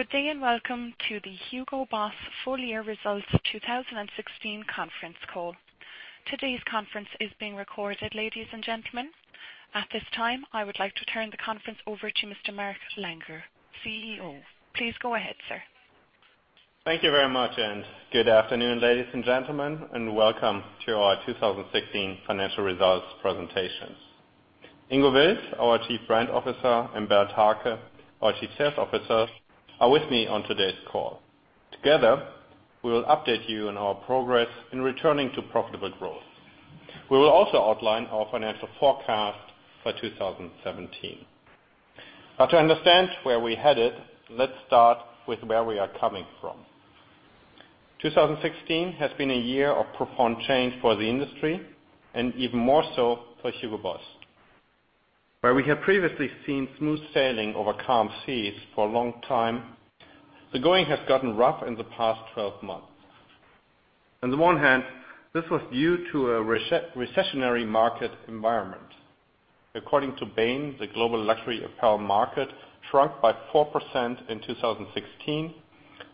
Good day, welcome to the HUGO BOSS full year results 2016 conference call. Today's conference is being recorded, ladies and gentlemen. At this time, I would like to turn the conference over to Mr. Mark Langer, CEO. Please go ahead, sir. Thank you very much, good afternoon, ladies and gentlemen, welcome to our 2016 financial results presentation. Ingo Wilts, our Chief Brand Officer, and Bernd Hake, our Chief Sales Officer, are with me on today's call. Together, we will update you on our progress in returning to profitable growth. We will also outline our financial forecast for 2017. To understand where we're headed, let's start with where we are coming from. 2016 has been a year of profound change for the industry, even more so for HUGO BOSS. Where we had previously seen smooth sailing over calm seas for a long time, the going has gotten rough in the past 12 months. On the one hand, this was due to a recessionary market environment. According to Bain, the global luxury apparel market shrunk by 4% in 2016,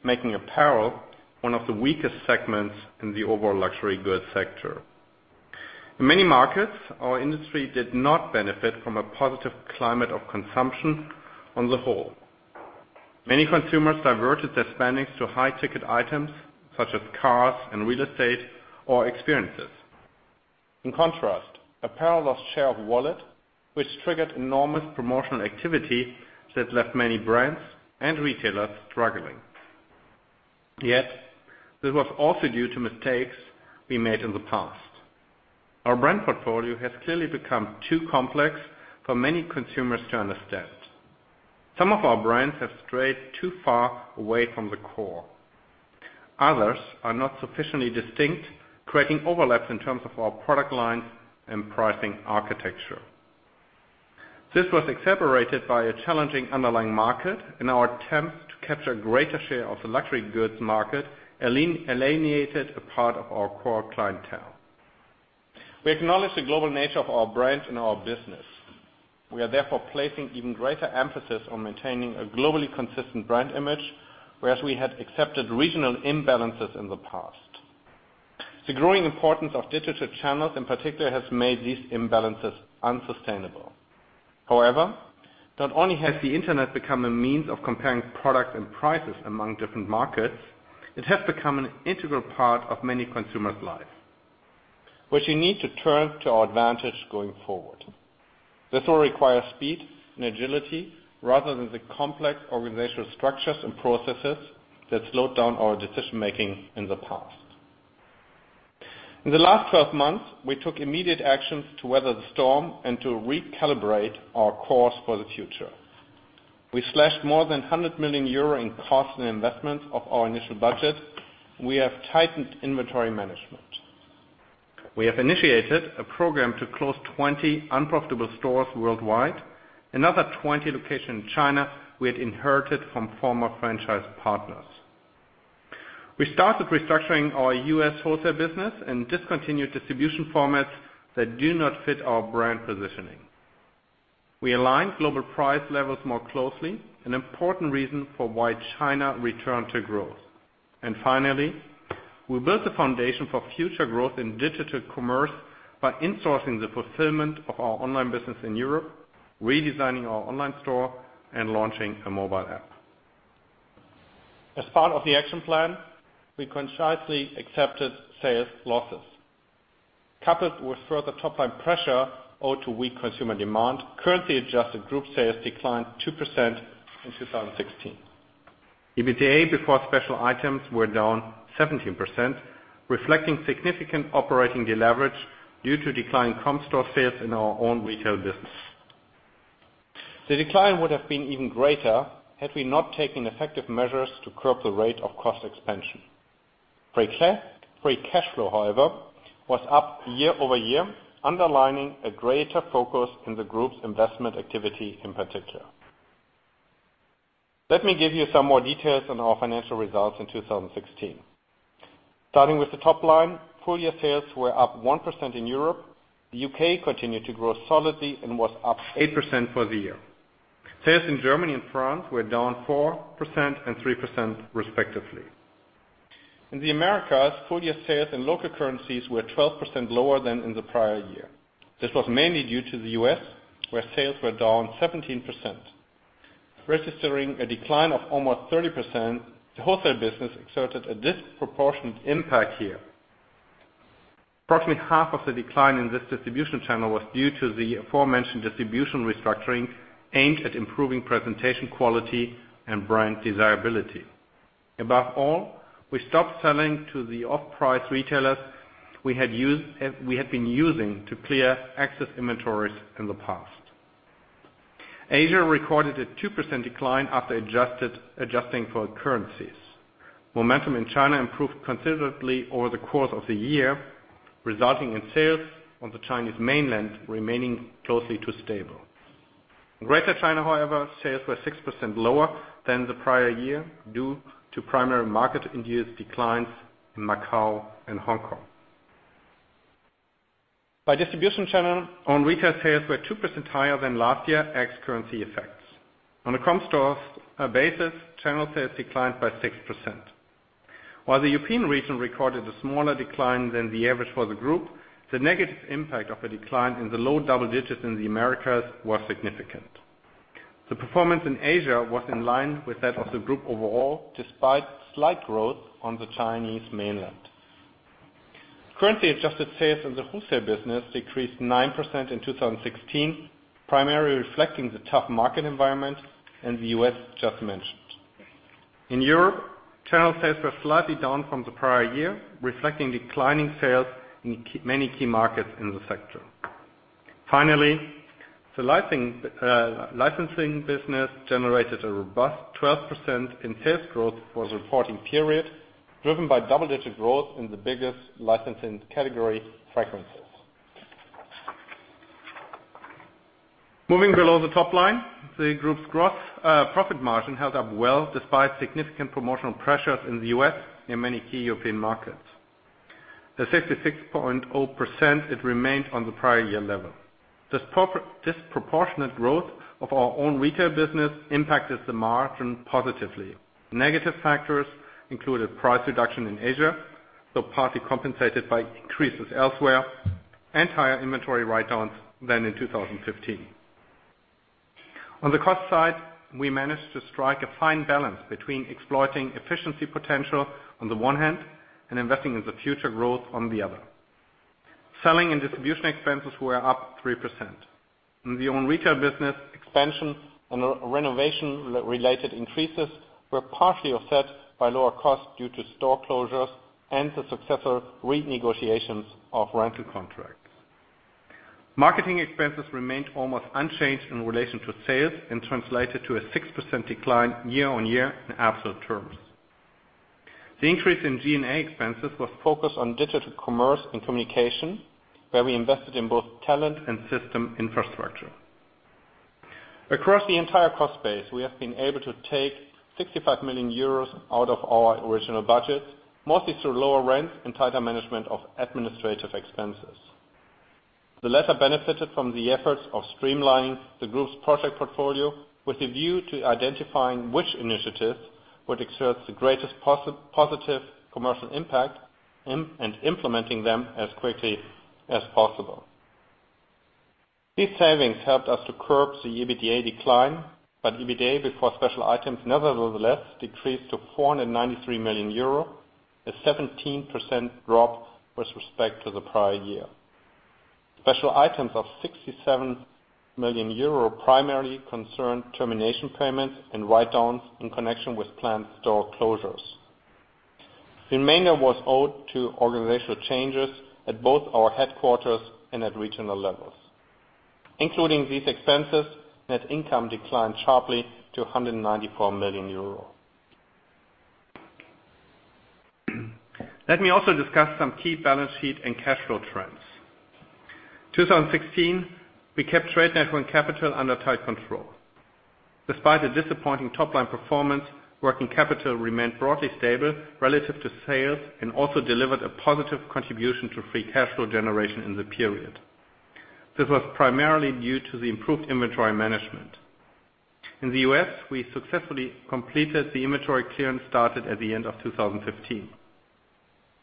making apparel one of the weakest segments in the overall luxury goods sector. In many markets, our industry did not benefit from a positive climate of consumption on the whole. Many consumers diverted their spendings to high-ticket items such as cars and real estate or experiences. In contrast, apparel lost share of wallet, which triggered enormous promotional activity that left many brands and retailers struggling. This was also due to mistakes we made in the past. Our brand portfolio has clearly become too complex for many consumers to understand. Some of our brands have strayed too far away from the core. Others are not sufficiently distinct, creating overlaps in terms of our product lines and pricing architecture. This was exacerbated by a challenging underlying market. In our attempt to capture a greater share of the luxury goods market, we alienated a part of our core clientele. We acknowledge the global nature of our brands and our business. We are therefore placing even greater emphasis on maintaining a globally consistent brand image, whereas we had accepted regional imbalances in the past. The growing importance of digital channels, in particular, has made these imbalances unsustainable. Not only has the Internet become a means of comparing products and prices among different markets, it has become an integral part of many consumers' life, which we need to turn to our advantage going forward. This will require speed and agility rather than the complex organizational structures and processes that slowed down our decision-making in the past. In the last 12 months, we took immediate actions to weather the storm and to recalibrate our course for the future. We slashed more than €100 million in costs and investments of our initial budget. We have tightened inventory management. We have initiated a program to close 20 unprofitable stores worldwide. Another 20 locations in China we had inherited from former franchise partners. We started restructuring our U.S. wholesale business and discontinued distribution formats that do not fit our brand positioning. We aligned global price levels more closely, an important reason for why China returned to growth. Finally, we built a foundation for future growth in digital commerce by insourcing the fulfillment of our online business in Europe, redesigning our online store, and launching a mobile app. As part of the action plan, we consciously accepted sales losses. Coupled with further top-line pressure owed to weak consumer demand, currency-adjusted group sales declined 2% in 2016. EBITDA before special items were down 17%, reflecting significant operating deleverage due to declining comp store sales in our own retail business. The decline would have been even greater had we not taken effective measures to curb the rate of cost expansion. Free cash flow, however, was up year-over-year, underlining a greater focus in the group's investment activity in particular. Let me give you some more details on our financial results in 2016. Starting with the top line, full-year sales were up 1% in Europe. The U.K. continued to grow solidly and was up 8% for the year. Sales in Germany and France were down 4% and 3% respectively. In the Americas, full-year sales in local currencies were 12% lower than in the prior year. This was mainly due to the U.S., where sales were down 17%. Registering a decline of almost 30%, the wholesale business exerted a disproportionate impact here. Approximately half of the decline in this distribution channel was due to the aforementioned distribution restructuring aimed at improving presentation quality and brand desirability. Above all, we stopped selling to the off-price retailers we had been using to clear excess inventories in the past. Asia recorded a 2% decline after adjusting for currencies. Momentum in China improved considerably over the course of the year, resulting in sales on the Chinese mainland remaining closely to stable. In Greater China, however, sales were 6% lower than the prior year due to primary market-induced declines in Macau and Hong Kong. By distribution channel, own retail sales were 2% higher than last year, ex currency effects. On a comp store basis, channel sales declined by 6%. While the European region recorded a smaller decline than the average for the group, the negative impact of a decline in the low double digits in the Americas was significant. The performance in Asia was in line with that of the group overall, despite slight growth on the Chinese mainland. Currency-adjusted sales in the wholesale business decreased 9% in 2016, primarily reflecting the tough market environment in the U.S. just mentioned. In Europe, channel sales were slightly down from the prior year, reflecting declining sales in many key markets in the sector. Finally, the licensing business generated a robust 12% in sales growth for the reporting period, driven by double-digit growth in the biggest licensing category, fragrances. Moving below the top line, the group's profit margin held up well despite significant promotional pressures in the U.S. and many key European markets. At 66.0%, it remained on the prior year level. Disproportionate growth of our own retail business impacted the margin positively. Negative factors included price reduction in Asia, though partly compensated by increases elsewhere, and higher inventory write-downs than in 2015. On the cost side, we managed to strike a fine balance between exploiting efficiency potential on the one hand, and investing in the future growth on the other. Selling and distribution expenses were up 3%. In the own retail business, expansion and renovation-related increases were partially offset by lower costs due to store closures and the successful renegotiations of rental contracts. Marketing expenses remained almost unchanged in relation to sales and translated to a 6% decline year-over-year in absolute terms. The increase in G&A expenses was focused on digital commerce and communication, where we invested in both talent and system infrastructure. Across the entire cost base, we have been able to take 65 million euros out of our original budgets, mostly through lower rents and tighter management of administrative expenses. The latter benefited from the efforts of streamlining the group's project portfolio with a view to identifying which initiatives would exert the greatest positive commercial impact, and implementing them as quickly as possible. These savings helped us to curb the EBITDA decline, but EBITDA before special items nevertheless decreased to 493 million euro, a 17% drop with respect to the prior year. Special items of 67 million euro primarily concerned termination payments and write-downs in connection with planned store closures. The remainder was owed to organizational changes at both our headquarters and at regional levels. Including these expenses, net income declined sharply to 194 million euro. Let me also discuss some key balance sheet and cash flow trends. 2016, we kept trade network capital under tight control. Despite the disappointing top-line performance, working capital remained broadly stable relative to sales and also delivered a positive contribution to free cash flow generation in the period. This was primarily due to the improved inventory management. In the U.S., we successfully completed the inventory clearance started at the end of 2015.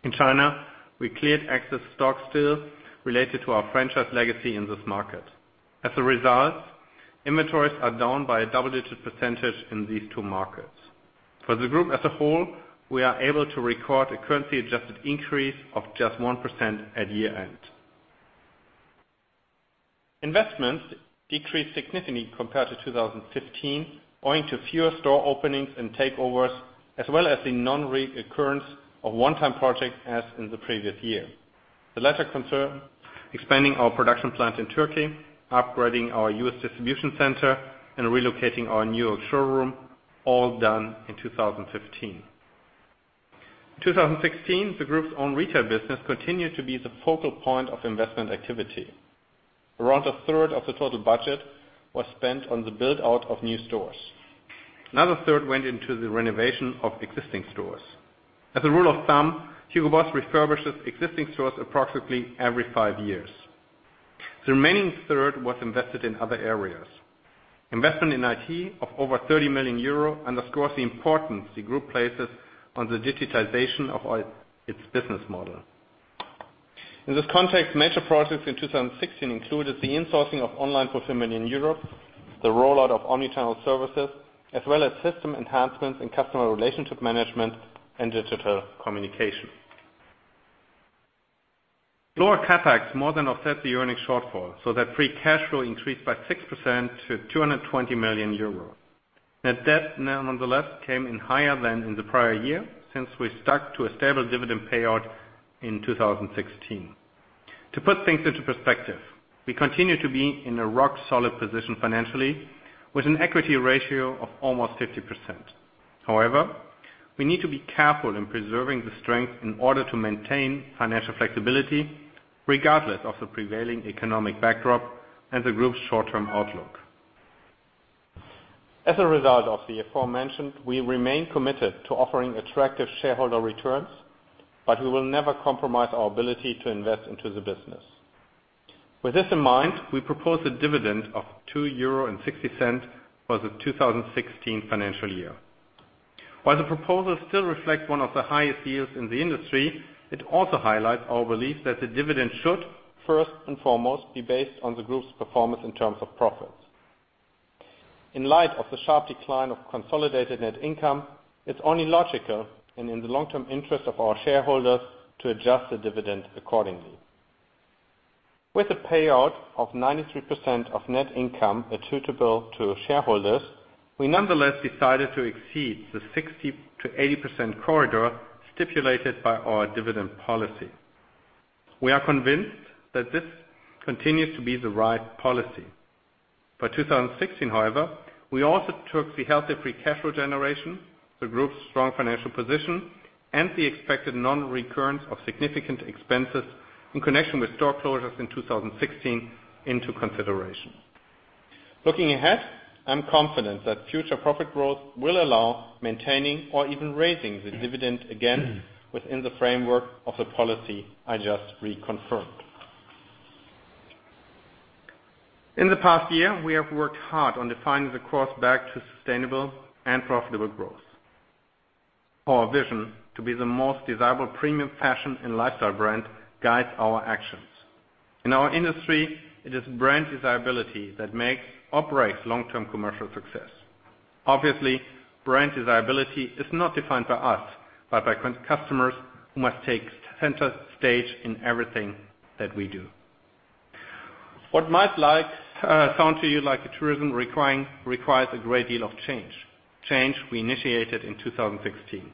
In China, we cleared excess stock still related to our franchise legacy in this market. As a result, inventories are down by a double-digit percentage in these two markets. For the group as a whole, we are able to record a currency-adjusted increase of just 1% at year-end. Investments decreased significantly compared to 2015, owing to fewer store openings and takeovers, as well as the non-recurrence of one-time projects as in the previous year. The latter concern expanding our production plant in Turkey, upgrading our U.S. distribution center, and relocating our New York showroom, all done in 2015. 2016, the group's own retail business continued to be the focal point of investment activity. Around a third of the total budget was spent on the build-out of new stores. Another third went into the renovation of existing stores. As a rule of thumb, HUGO BOSS refurbishes existing stores approximately every five years. The remaining third was invested in other areas. Investment in IT of over 30 million euro underscores the importance the group places on the digitization of its business model. In this context, major projects in 2016 included the insourcing of online fulfillment in Europe, the rollout of omni-channel services, as well as system enhancements in Customer Relationship Management and digital communication. Lower CapEx more than offset the earnings shortfall, so that free cash flow increased by 6% to 220 million euro. Net debt nonetheless came in higher than in the prior year, since we stuck to a stable dividend payout in 2016. To put things into perspective, we continue to be in a rock-solid position financially with an equity ratio of almost 50%. We need to be careful in preserving the strength in order to maintain financial flexibility regardless of the prevailing economic backdrop and the group's short-term outlook. As a result of the aforementioned, we remain committed to offering attractive shareholder returns, but we will never compromise our ability to invest into the business. With this in mind, we propose a dividend of 2.60 euro for the 2016 financial year. While the proposal still reflects one of the highest yields in the industry, it also highlights our belief that the dividend should first and foremost be based on the group's performance in terms of profits. In light of the sharp decline of consolidated net income, it's only logical and in the long-term interest of our shareholders to adjust the dividend accordingly. With a payout of 93% of net income attributable to shareholders, we nonetheless decided to exceed the 60%-80% corridor stipulated by our dividend policy. We are convinced that this continues to be the right policy. By 2016, however, we also took the healthy free cash flow generation, the group's strong financial position, and the expected non-recurrence of significant expenses in connection with store closures in 2016 into consideration. Looking ahead, I'm confident that future profit growth will allow maintaining or even raising the dividend again within the framework of the policy I just reconfirmed. In the past year, we have worked hard on defining the course back to sustainable and profitable growth. Our vision to be the most desirable premium fashion and lifestyle brand guides our actions. In our industry, it is brand desirability that makes or breaks long-term commercial success. Obviously, brand desirability is not defined by us, but by customers who must take center stage in everything that we do. What might sound to you like a truism requires a great deal of change. Change we initiated in 2016.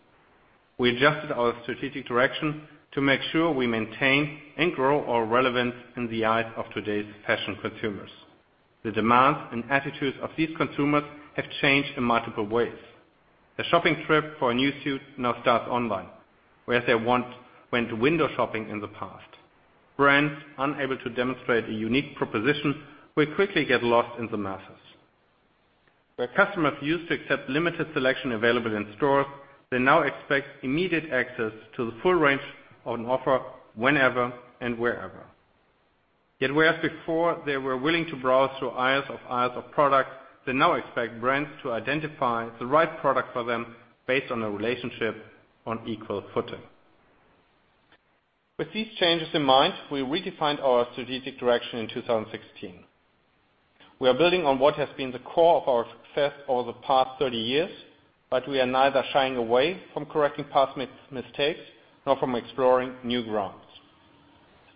We adjusted our strategic direction to make sure we maintain and grow our relevance in the eyes of today's fashion consumers. The demands and attitudes of these consumers have changed in multiple ways. A shopping trip for a new suit now starts online, whereas they once went window shopping in the past. Brands unable to demonstrate a unique proposition will quickly get lost in the masses. Where customers used to accept limited selection available in stores, they now expect immediate access to the full range on offer whenever and wherever. Yet whereas before they were willing to browse through aisles of product, they now expect brands to identify the right product for them based on a relationship on equal footing. With these changes in mind, we redefined our strategic direction in 2016. We are building on what has been the core of our success over the past 30 years, but we are neither shying away from correcting past mistakes, nor from exploring new grounds.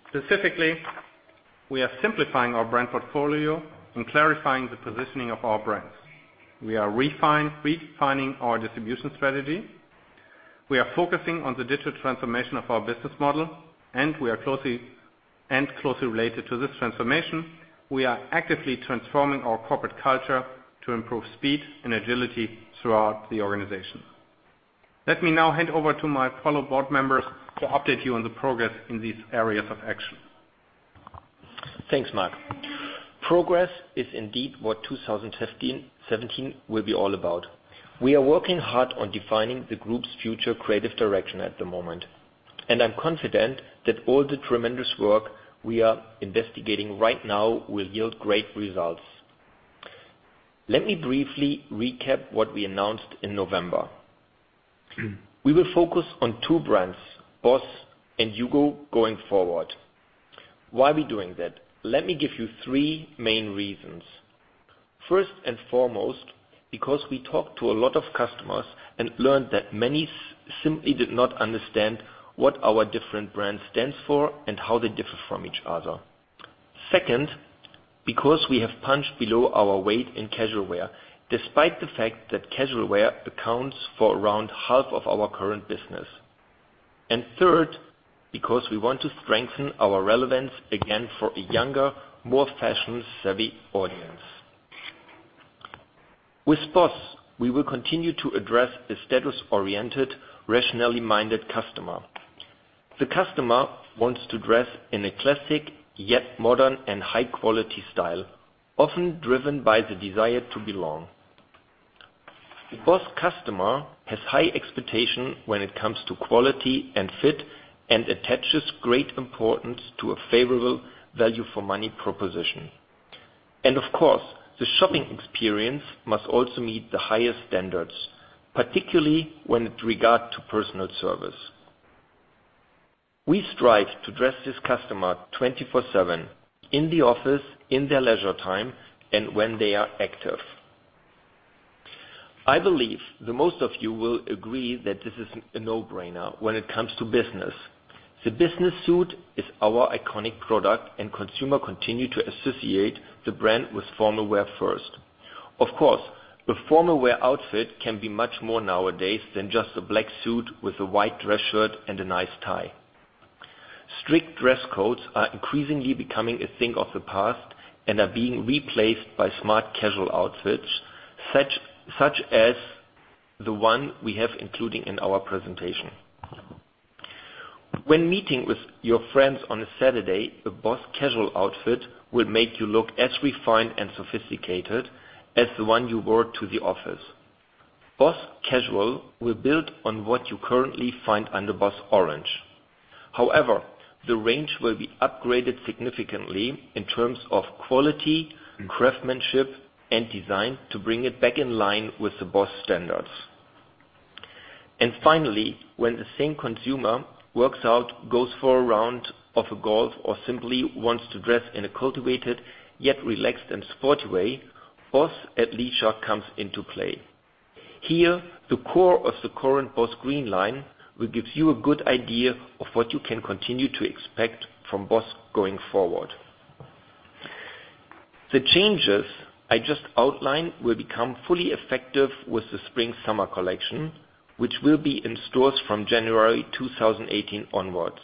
Specifically, we are simplifying our brand portfolio and clarifying the positioning of our brands. We are refining our distribution strategy. We are focusing on the digital transformation of our business model, and closely related to this transformation, we are actively transforming our corporate culture to improve speed and agility throughout the organization. Let me now hand over to my fellow board members to update you on the progress in these areas of action. Thanks, Mark. Progress is indeed what 2017 will be all about. We are working hard on defining the group's future creative direction at the moment, and I'm confident that all the tremendous work we are investigating right now will yield great results. Let me briefly recap what we announced in November. We will focus on two brands, BOSS and HUGO, going forward. Why are we doing that? Let me give you three main reasons. First and foremost, because we talked to a lot of customers and learned that many simply did not understand what our different brands stand for and how they differ from each other. Second, because we have punched below our weight in casual wear, despite the fact that casual wear accounts for around half of our current business. Third, because we want to strengthen our relevance again for a younger, more fashion-savvy audience. With BOSS, we will continue to address the status-oriented, rationally-minded customer. The customer wants to dress in a classic, yet modern and high-quality style, often driven by the desire to belong. The BOSS customer has high expectation when it comes to quality and fit, and attaches great importance to a favorable value-for-money proposition. Of course, the shopping experience must also meet the highest standards, particularly with regard to personal service. We strive to dress this customer 24/7 in the office, in their leisure time, and when they are active. I believe that most of you will agree that this is a no-brainer when it comes to business. The business suit is our iconic product, and consumers continue to associate the brand with formal wear first. Of course, the formal wear outfit can be much more nowadays than just a black suit with a white dress shirt and a nice tie. Strict dress codes are increasingly becoming a thing of the past and are being replaced by smart casual outfits, such as the one we have including in our presentation. When meeting with your friends on a Saturday, a BOSS casual outfit will make you look as refined and sophisticated as the one you wore to the office. BOSS Casual will build on what you currently find under BOSS Orange. However, the range will be upgraded significantly in terms of quality, craftsmanship, and design to bring it back in line with the BOSS standards. Finally, when the same consumer works out, goes for a round of golf, or simply wants to dress in a cultivated, yet relaxed and sporty way, BOSS Athleisure comes into play. Here, the core of the current BOSS Green line will give you a good idea of what you can continue to expect from BOSS going forward. The changes I just outlined will become fully effective with the spring-summer collection, which will be in stores from January 2018 onwards.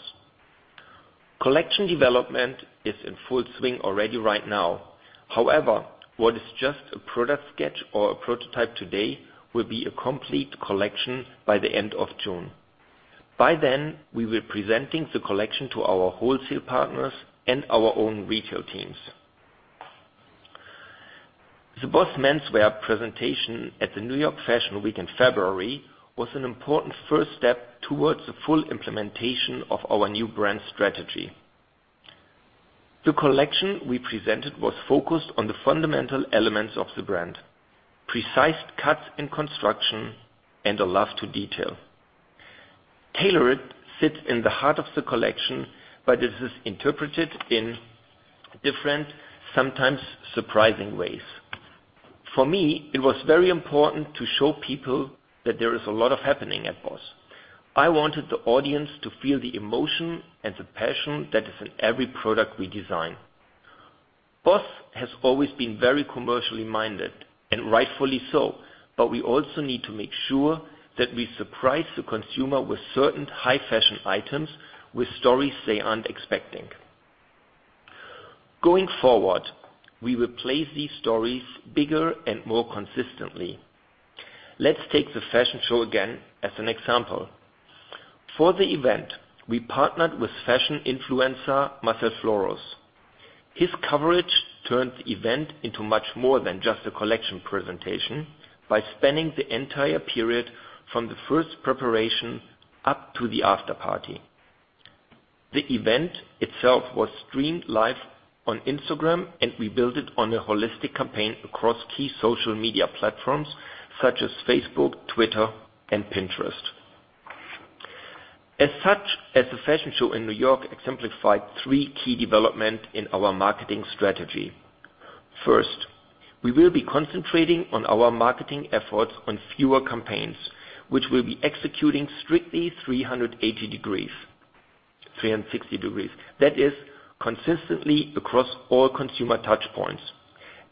Collection development is in full swing already right now. What is just a product sketch or a prototype today will be a complete collection by the end of June. By then, we will be presenting the collection to our wholesale partners and our own retail teams. The BOSS menswear presentation at the New York Fashion Week in February was an important first step towards the full implementation of our new brand strategy. The collection we presented was focused on the fundamental elements of the brand: precise cuts and construction, and a love to detail. Tailored sits in the heart of the collection, this is interpreted in different, sometimes surprising ways. For me, it was very important to show people that there is a lot happening at BOSS. I wanted the audience to feel the emotion and the passion that is in every product we design. BOSS has always been very commercially minded, and rightfully so, we also need to make sure that we surprise the consumer with certain high-fashion items with stories they aren't expecting. Going forward, we will place these stories bigger and more consistently. Let's take the fashion show again as an example. For the event, we partnered with fashion influencer, Marcel Floruss. His coverage turned the event into much more than just a collection presentation by spanning the entire period from the first preparation up to the after-party. The event itself was streamed live on Instagram, we built it on a holistic campaign across key social media platforms such as Facebook, Twitter, and Pinterest. The fashion show in New York exemplified three key developments in our marketing strategy. First, we will be concentrating on our marketing efforts on fewer campaigns, which we'll be executing strictly 360 degrees. That is, consistently across all consumer touchpoints.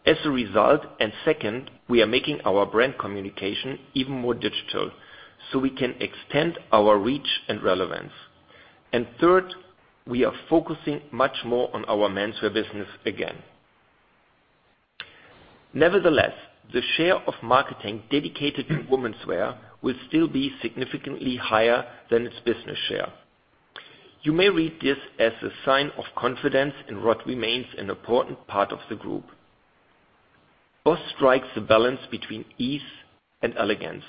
As a result, second, we are making our brand communication even more digital, so we can extend our reach and relevance. Third, we are focusing much more on our menswear business again. Nevertheless, the share of marketing dedicated to womenswear will still be significantly higher than its business share. You may read this as a sign of confidence in what remains an important part of the group. BOSS strikes a balance between ease and elegance.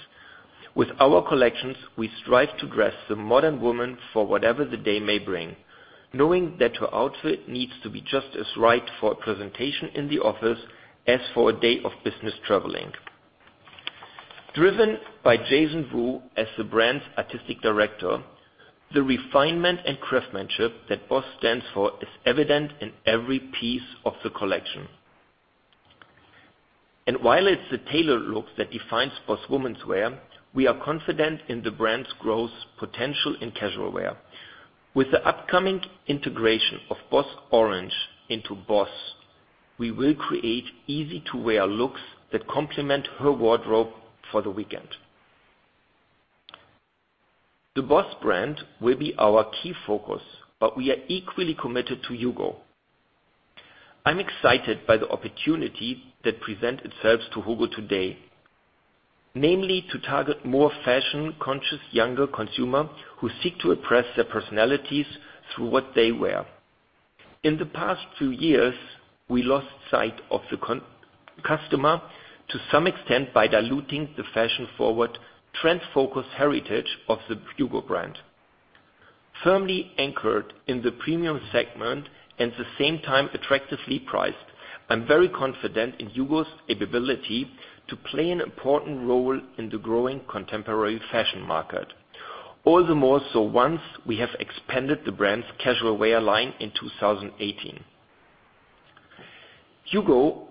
With our collections, we strive to dress the modern woman for whatever the day may bring, knowing that her outfit needs to be just as right for a presentation in the office as for a day of business traveling. Driven by Jason Wu as the brand's Artistic Director, the refinement and craftsmanship that BOSS stands for is evident in every piece of the collection. While it's the tailored look that defines BOSS womenswear, we are confident in the brand's growth potential in casual wear. With the upcoming integration of BOSS Orange into BOSS, we will create easy-to-wear looks that complement her wardrobe for the weekend. The BOSS brand will be our key focus, we are equally committed to HUGO. I'm excited by the opportunity that presents itself to HUGO today. Namely to target more fashion-conscious, younger consumers who seek to express their personalities through what they wear. In the past few years, we lost sight of the customer to some extent by diluting the fashion-forward, trend-focused heritage of the HUGO brand. Firmly anchored in the premium segment, at the same time attractively priced, I'm very confident in HUGO's ability to play an important role in the growing contemporary fashion market. All the more so once we have expanded the brand's casual wear line in 2018.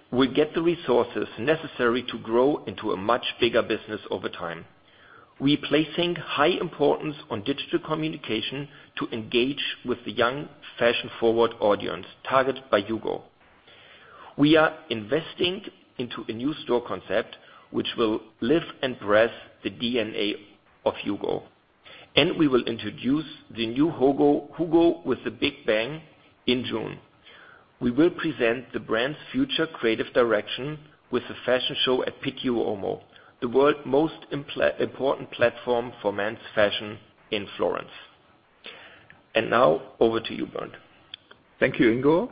HUGO will get the resources necessary to grow into a much bigger business over time. We're placing high importance on digital communication to engage with the young fashion-forward audience targeted by HUGO. We are investing into a new store concept which will live and breathe the DNA of HUGO, and we will introduce the new HUGO with a big bang in June. We will present the brand's future creative direction with a fashion show at Pitti Uomo, the world's most important platform for men's fashion in Florence. Now over to you, Bernd. Thank you, Ingo.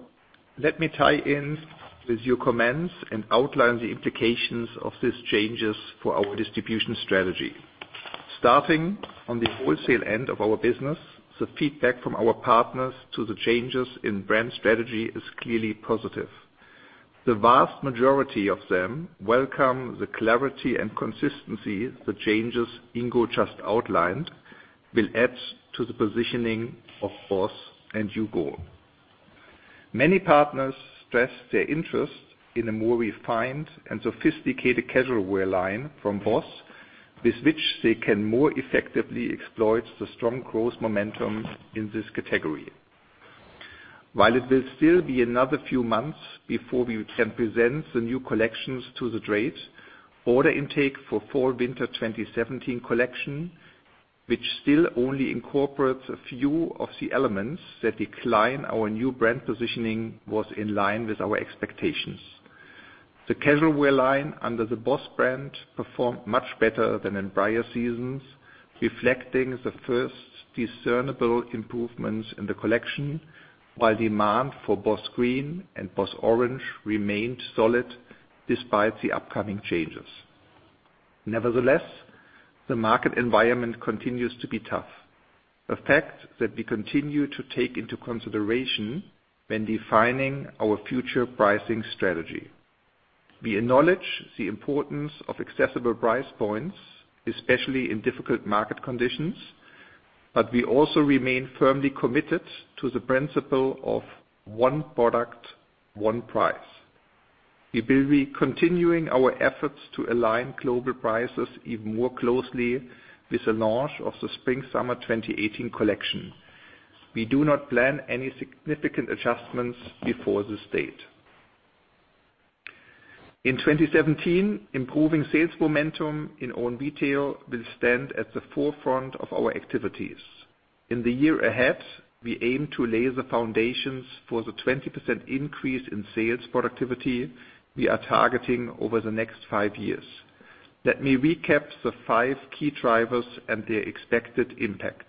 Let me tie in with your comments and outline the implications of these changes for our distribution strategy. Starting on the wholesale end of our business, the feedback from our partners to the changes in brand strategy is clearly positive. The vast majority of them welcome the clarity and consistency the changes Ingo just outlined will add to the positioning of BOSS and HUGO. Many partners stressed their interest in a more refined and sophisticated casual wear line from BOSS, with which they can more effectively exploit the strong growth momentum in this category. While it will still be another few months before we can present the new collections to the trade, order intake for fall/winter 2017 collection, which still only incorporates a few of the elements that define our new brand positioning, was in line with our expectations. The casual wear line under the BOSS brand performed much better than in prior seasons, reflecting the first discernible improvements in the collection, while demand for BOSS Green and BOSS Orange remained solid despite the upcoming changes. Nevertheless, the market environment continues to be tough, a fact that we continue to take into consideration when defining our future pricing strategy. We acknowledge the importance of accessible price points, especially in difficult market conditions, we also remain firmly committed to the principle of one product, one price. We will be continuing our efforts to align global prices even more closely with the launch of the spring/summer 2018 collection. We do not plan any significant adjustments before this date. In 2017, improving sales momentum in own retail will stand at the forefront of our activities. In the year ahead, we aim to lay the foundations for the 20% increase in sales productivity we are targeting over the next five years. Let me recap the five key drivers and their expected impact.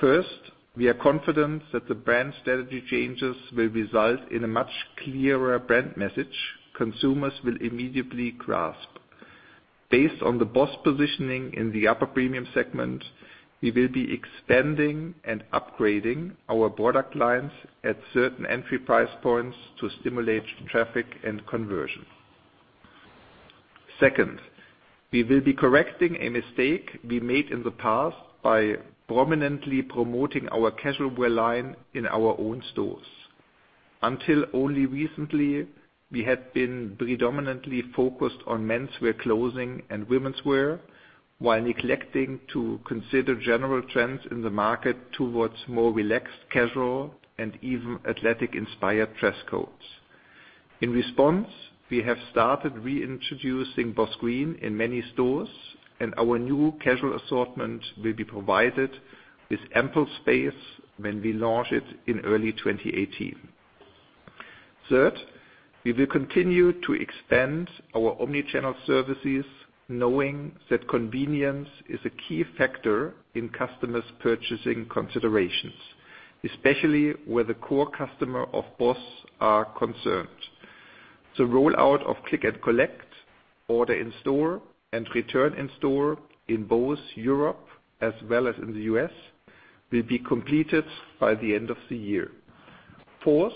First, we are confident that the brand strategy changes will result in a much clearer brand message consumers will immediately grasp. Based on the BOSS positioning in the upper premium segment, we will be expanding and upgrading our product lines at certain entry price points to stimulate traffic and conversion. Second, we will be correcting a mistake we made in the past by prominently promoting our casual wear line in our own stores. Until only recently, we had been predominantly focused on menswear clothing and womenswear, while neglecting to consider general trends in the market towards more relaxed, casual, and even athletic-inspired dress codes. In response, we have started reintroducing BOSS Green in many stores, and our new casual assortment will be provided with ample space when we launch it in early 2018. Third, we will continue to expand our omni-channel services, knowing that convenience is a key factor in customers' purchasing considerations, especially where the core customer of BOSS are concerned. The rollout of click and collect, order in store, and return in store in both Europe as well as in the U.S., will be completed by the end of the year. Fourth,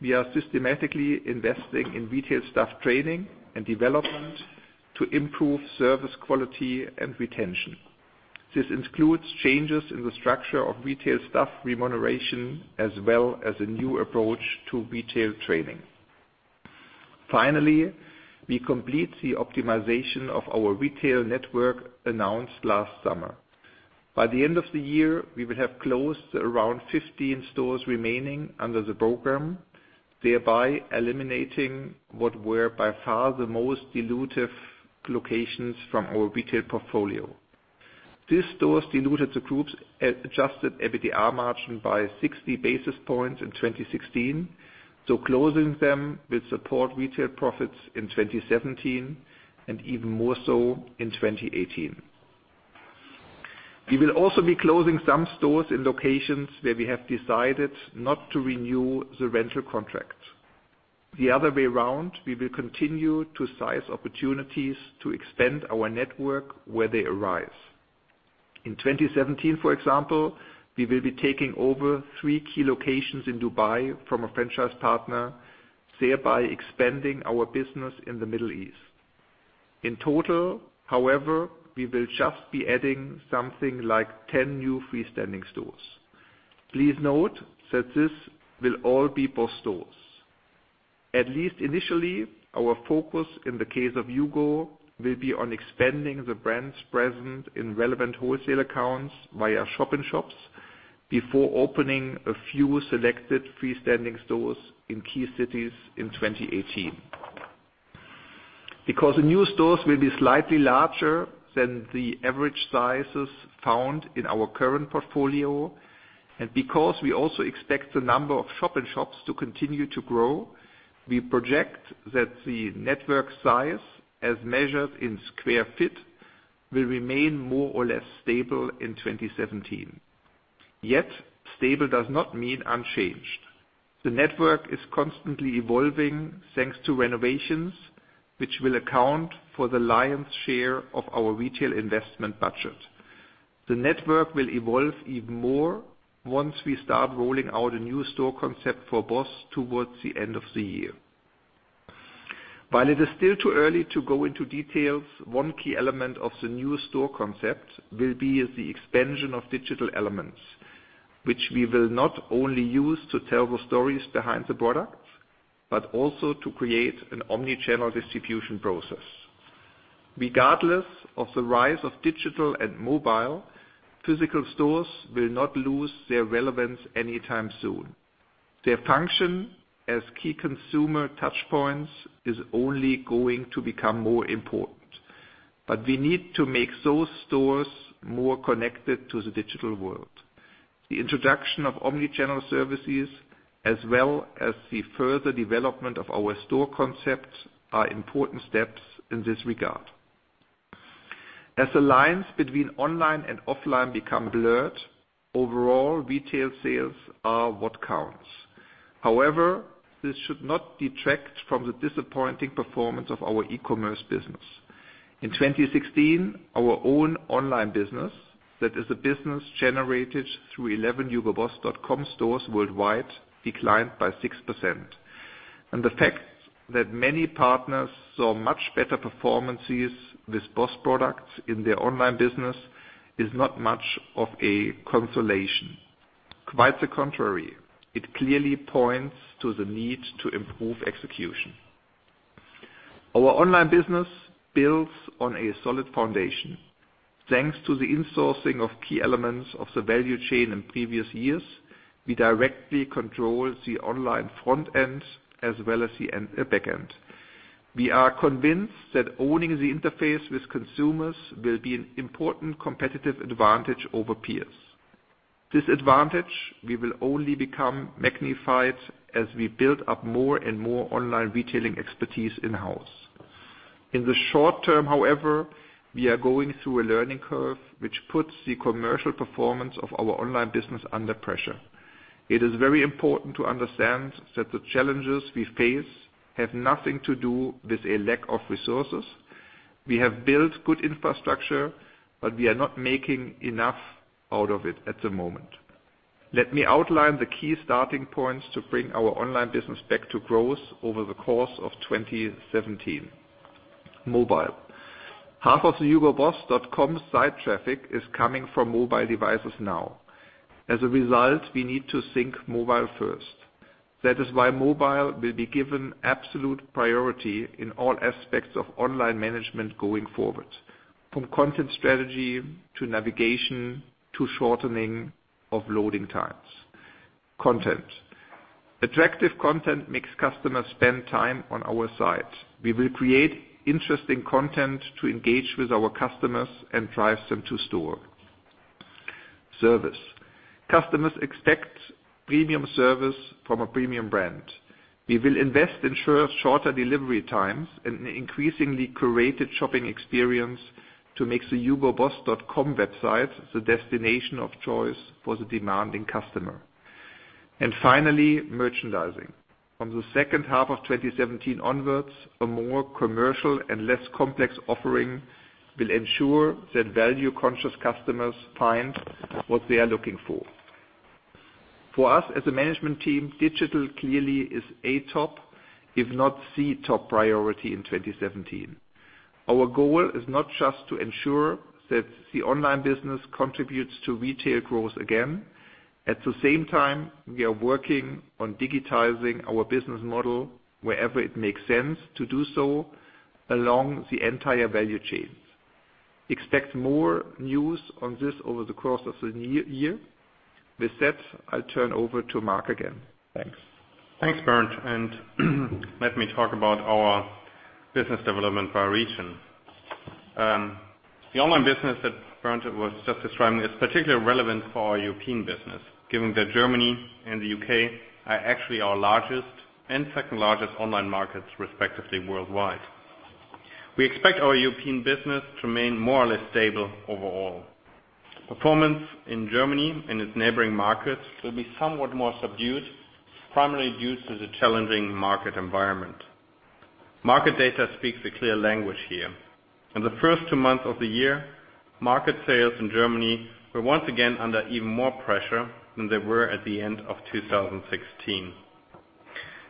we are systematically investing in retail staff training and development to improve service quality and retention. This includes changes in the structure of retail staff remuneration, as well as a new approach to retail training. Finally, we complete the optimization of our retail network announced last summer. By the end of the year, we will have closed around 15 stores remaining under the program, thereby eliminating what were by far the most dilutive locations from our retail portfolio. These stores diluted the group's adjusted EBITDA margin by 60 basis points in 2016, so closing them will support retail profits in 2017, and even more so in 2018. We will also be closing some stores in locations where we have decided not to renew the rental contract. The other way around, we will continue to seize opportunities to expand our network where they arise. In 2017, for example, we will be taking over three key locations in Dubai from a franchise partner, thereby expanding our business in the Middle East. In total, however, we will just be adding something like 10 new freestanding stores. Please note that these will all be BOSS stores. At least initially, our focus in the case of HUGO will be on expanding the brand's presence in relevant wholesale accounts via shop-in-shops before opening a few selected freestanding stores in key cities in 2018. Because the new stores will be slightly larger than the average sizes found in our current portfolio, and because we also expect the number of shop-in-shops to continue to grow, we project that the network size as measured in square feet, will remain more or less stable in 2017. Yet, stable does not mean unchanged. The network is constantly evolving thanks to renovations, which will account for the lion's share of our retail investment budget. The network will evolve even more once we start rolling out a new store concept for BOSS towards the end of the year. While it is still too early to go into details, one key element of the new store concept will be the expansion of digital elements, which we will not only use to tell the stories behind the product, but also to create an omni-channel distribution process. Regardless of the rise of digital and mobile, physical stores will not lose their relevance anytime soon. Their function as key consumer touch points is only going to become more important. We need to make those stores more connected to the digital world. The introduction of omni-channel services, as well as the further development of our store concepts, are important steps in this regard. As the lines between online and offline become blurred, overall retail sales are what counts. However, this should not detract from the disappointing performance of our e-commerce business. In 2016, our own online business, that is the business generated through 11 hugoboss.com stores worldwide, declined by 6%. The fact that many partners saw much better performances with BOSS products in their online business is not much of a consolation. Quite the contrary. It clearly points to the need to improve execution. Our online business builds on a solid foundation. Thanks to the insourcing of key elements of the value chain in previous years, we directly control the online front end as well as the back end. We are convinced that owning the interface with consumers will be an important competitive advantage over peers. This advantage will only become magnified as we build up more and more online retailing expertise in-house. In the short term, however, we are going through a learning curve, which puts the commercial performance of our online business under pressure. It is very important to understand that the challenges we face have nothing to do with a lack of resources. We have built good infrastructure, but we are not making enough out of it at the moment. Let me outline the key starting points to bring our online business back to growth over the course of 2017. Mobile. Half of the hugoboss.com site traffic is coming from mobile devices now. As a result, we need to think mobile first. That is why mobile will be given absolute priority in all aspects of online management going forward, from content strategy to navigation, to shortening of loading times. Content. Attractive content makes customers spend time on our site. We will create interesting content to engage with our customers and drive them to store. Service. Customers expect premium service from a premium brand. We will invest ensure shorter delivery times and an increasingly curated shopping experience to make the hugoboss.com website the destination of choice for the demanding customer. Finally, merchandising. From the second half of 2017 onwards, a more commercial and less complex offering will ensure that value-conscious customers find what they are looking for. For us as a management team, digital clearly is a top, if not the top priority in 2017. Our goal is not just to ensure that the online business contributes to retail growth again. At the same time, we are working on digitizing our business model wherever it makes sense to do so along the entire value chains. Expect more news on this over the course of the new year. With that, I'll turn over to Mark again. Thanks. Thanks, Bernd. Let me talk about our business development by region. The online business that Bernd was just describing is particularly relevant for our European business, given that Germany and the U.K. are actually our largest and second-largest online markets, respectively worldwide. We expect our European business to remain more or less stable overall. Performance in Germany and its neighboring markets will be somewhat more subdued, primarily due to the challenging market environment. Market data speaks a clear language here. In the first two months of the year, market sales in Germany were once again under even more pressure than they were at the end of 2016.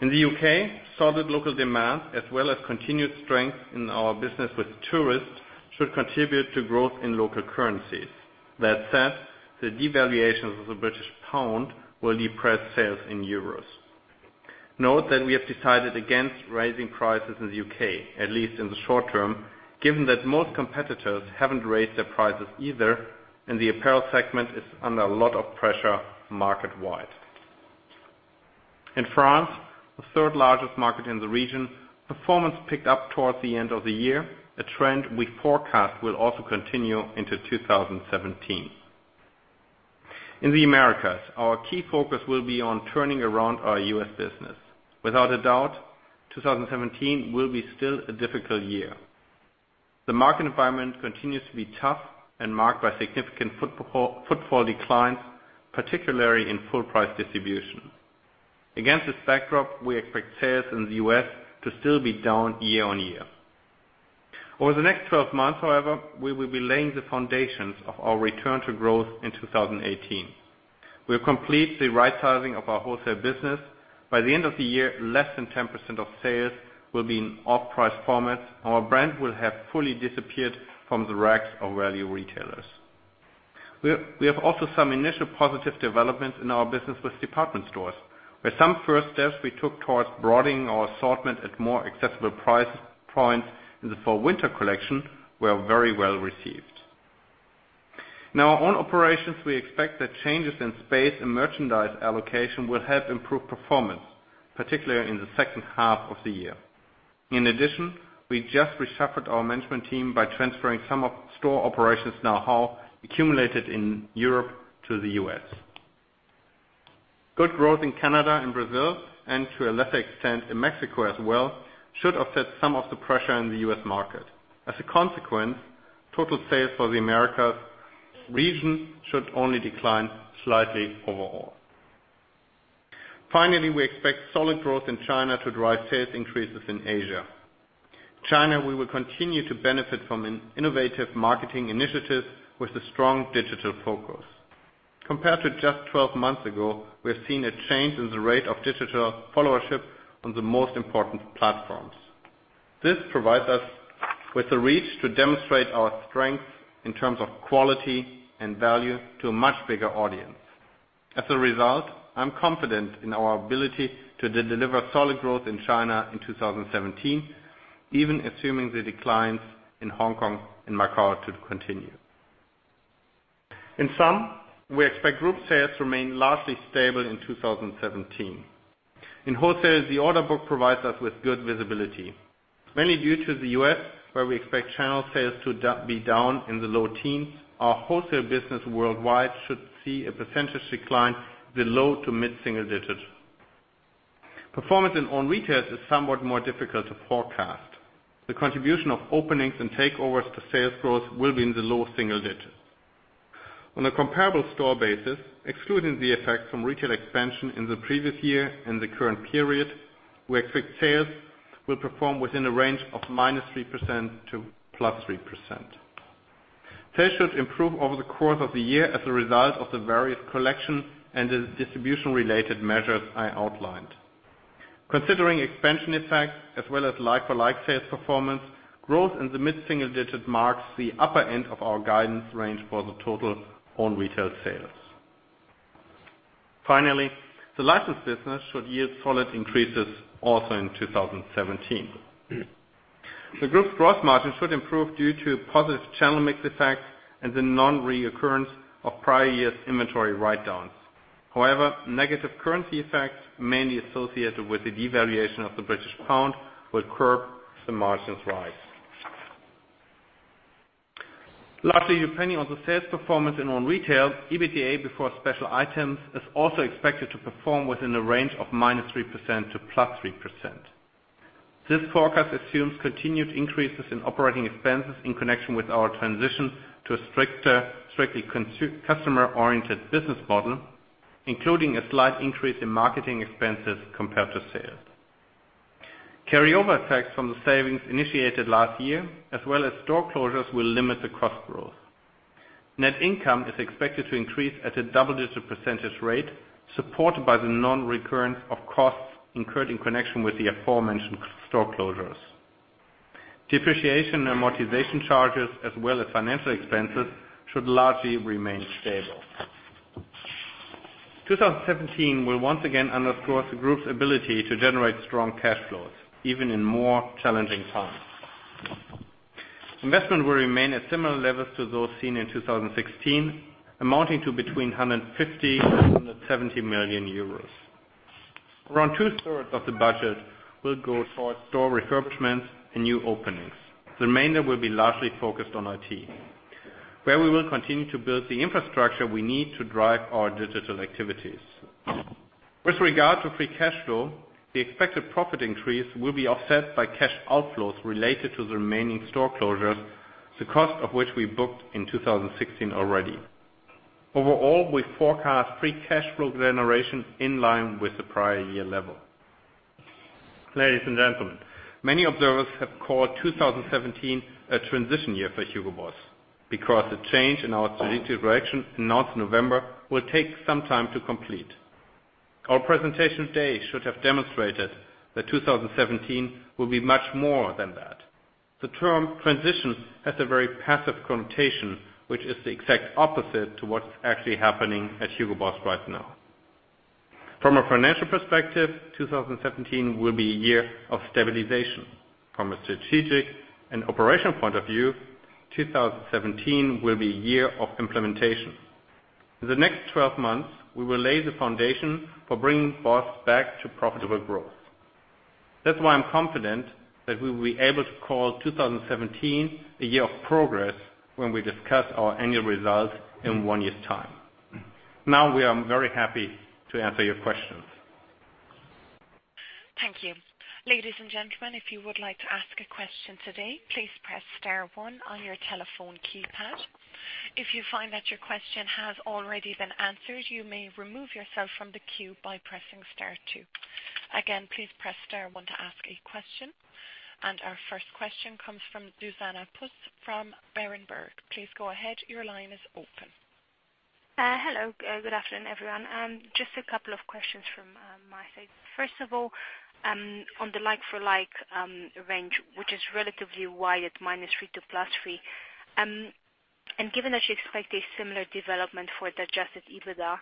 In the U.K., solid local demand as well as continued strength in our business with tourists should contribute to growth in local currencies. That said, the devaluations of the British pound will depress sales in EUR. Note that we have decided against raising prices in the U.K., at least in the short term, given that most competitors haven't raised their prices either, and the apparel segment is under a lot of pressure market-wide. In France, the third-largest market in the region, performance picked up towards the end of the year, a trend we forecast will also continue into 2017. In the Americas, our key focus will be on turning around our U.S. business. Without a doubt, 2017 will be still a difficult year. The market environment continues to be tough and marked by significant footfall declines, particularly in full price distribution. Against this backdrop, we expect sales in the U.S. to still be down year-over-year. Over the next 12 months, however, we will be laying the foundations of our return to growth in 2018. We'll complete the right sizing of our wholesale business. By the end of the year, less than 10% of sales will be in off-price formats. Our brand will have fully disappeared from the racks of value retailers. We have also some initial positive developments in our business with department stores, where some first steps we took towards broadening our assortment at more accessible price points in the fall-winter collection were very well-received. In our own operations, we expect that changes in space and merchandise allocation will help improve performance, particularly in the second half of the year. In addition, we just reshuffled our management team by transferring some of store operations know-how accumulated in Europe to the U.S. Good growth in Canada and Brazil, and to a lesser extent, in Mexico as well, should offset some of the pressure in the U.S. market. As a consequence, total sales for the Americas region should only decline slightly overall. Finally, we expect solid growth in China to drive sales increases in Asia. China, we will continue to benefit from an innovative marketing initiative with a strong digital focus. Compared to just 12 months ago, we have seen a change in the rate of digital followership on the most important platforms. This provides us with the reach to demonstrate our strength in terms of quality and value to a much bigger audience. As a result, I'm confident in our ability to deliver solid growth in China in 2017, even assuming the declines in Hong Kong and Macau to continue. In sum, we expect group sales to remain largely stable in 2017. In wholesale, the order book provides us with good visibility. Mainly due to the U.S., where we expect channel sales to be down in the low teens, our wholesale business worldwide should see a percentage decline below to mid-single digits. Performance in own retail is somewhat more difficult to forecast. The contribution of openings and takeovers to sales growth will be in the low single digits. On a comparable store basis, excluding the effects from retail expansion in the previous year and the current period, we expect sales will perform within a range of -3% to +3%. Sales should improve over the course of the year as a result of the various collection and the distribution-related measures I outlined. Considering expansion effects as well as like-for-like sales performance, growth in the mid-single digits marks the upper end of our guidance range for the total owned retail sales. Finally, the licensed business should yield solid increases also in 2017. The group gross margin should improve due to positive channel mix effects and the non-reoccurrence of prior year's inventory write-downs. However, negative currency effects, mainly associated with the devaluation of the British pound, will curb the margin's rise. Largely depending on the sales performance in own retail, EBITDA before special items is also expected to perform within the range of -3% to +3%. This forecast assumes continued increases in operating expenses in connection with our transition to a stricter, strictly customer-oriented business model, including a slight increase in marketing expenses compared to sales. Carryover effects from the savings initiated last year, as well as store closures, will limit the cost growth. Net income is expected to increase at a double-digit percentage rate, supported by the non-recurrence of costs incurred in connection with the aforementioned store closures. Depreciation and amortization charges, as well as financial expenses, should largely remain stable. 2017 will once again underscore the group's ability to generate strong cash flows, even in more challenging times. Investment will remain at similar levels to those seen in 2016, amounting to between 150 million euros and 170 million euros. Around two-thirds of the budget will go towards store refurbishments and new openings. The remainder will be largely focused on IT, where we will continue to build the infrastructure we need to drive our digital activities. With regard to free cash flow, the expected profit increase will be offset by cash outflows related to the remaining store closures, the cost of which we booked in 2016 already. Overall, we forecast free cash flow generation in line with the prior year level. Ladies and gentlemen, many observers have called 2017 a transition year for HUGO BOSS, because the change in our strategic direction announced in November will take some time to complete. Our presentation today should have demonstrated that 2017 will be much more than that. The term transitions has a very passive connotation, which is the exact opposite to what's actually happening at HUGO BOSS right now. From a financial perspective, 2017 will be a year of stabilization. From a strategic and operational point of view, 2017 will be a year of implementation. In the next 12 months, we will lay the foundation for bringing BOSS back to profitable growth. That's why I'm confident that we will be able to call 2017 a year of progress when we discuss our annual results in one year's time. Now we are very happy to answer your questions. Thank you. Ladies and gentlemen, if you would like to ask a question today, please press star one on your telephone keypad. If you find that your question has already been answered, you may remove yourself from the queue by pressing star two. Again, please press star one to ask a question. Our first question comes from Zuzanna Pusz from Berenberg. Please go ahead. Your line is open. Hello. Good afternoon, everyone. Just a couple of questions from my side. First of all, on the like-for-like range, which is relatively wide at -3% to +3%, and given that you expect a similar development for the adjusted EBITDA,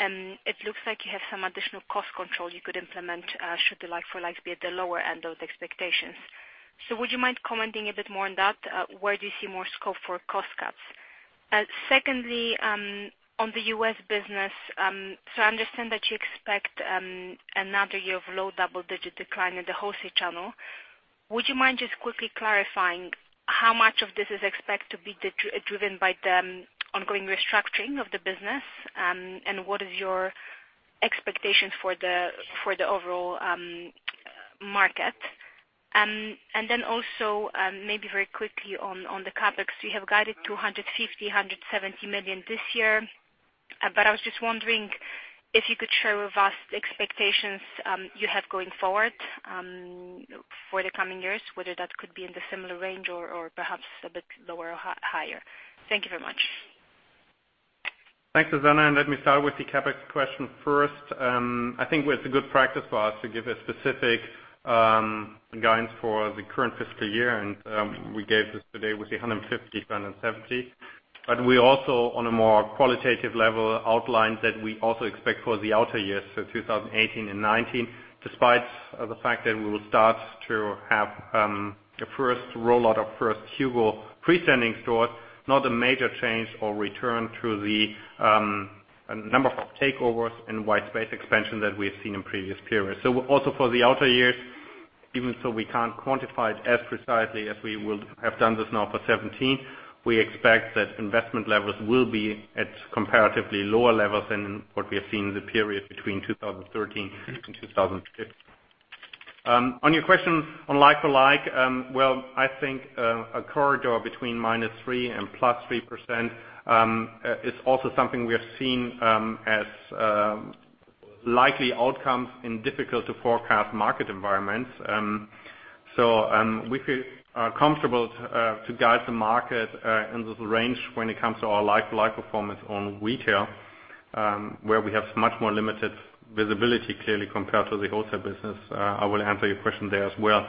it looks like you have some additional cost control you could implement should the like-for-like be at the lower end of the expectations. Would you mind commenting a bit more on that? Where do you see more scope for cost cuts? Secondly, on the U.S. business, I understand that you expect another year of low double-digit decline in the wholesale channel. Would you mind just quickly clarifying how much of this is expected to be driven by the ongoing restructuring of the business? What is your expectation for the overall market? Maybe very quickly on the CapEx, you have guided to 150 million-170 million this year. I was just wondering if you could share with us the expectations you have going forward for the coming years, whether that could be in the similar range or perhaps a bit lower or higher. Thank you very much. Thanks, Zuzanna, and let me start with the CapEx question first. I think it's a good practice for us to give a specific guidance for the current fiscal year, and we gave this today with the 150 million-170 million. We also, on a more qualitative level, outlined that we also expect for the outer years, 2018 and 2019, despite the fact that we will start to have the first rollout of first HUGO freestanding stores, not a major change or return to the number of takeovers and white space expansion that we have seen in previous periods. Also for the outer years, even so we can't quantify it as precisely as we will have done this now for 2017, we expect that investment levels will be at comparatively lower levels than what we have seen in the period between 2013 and 2015. On your question on like-for-like, well, I think a corridor between -3% and +3% is also something we have seen as likely outcomes in difficult-to-forecast market environments. We feel comfortable to guide the market in this range when it comes to our like-for-like performance on retail, where we have much more limited visibility, clearly, compared to the wholesale business. I will answer your question there as well.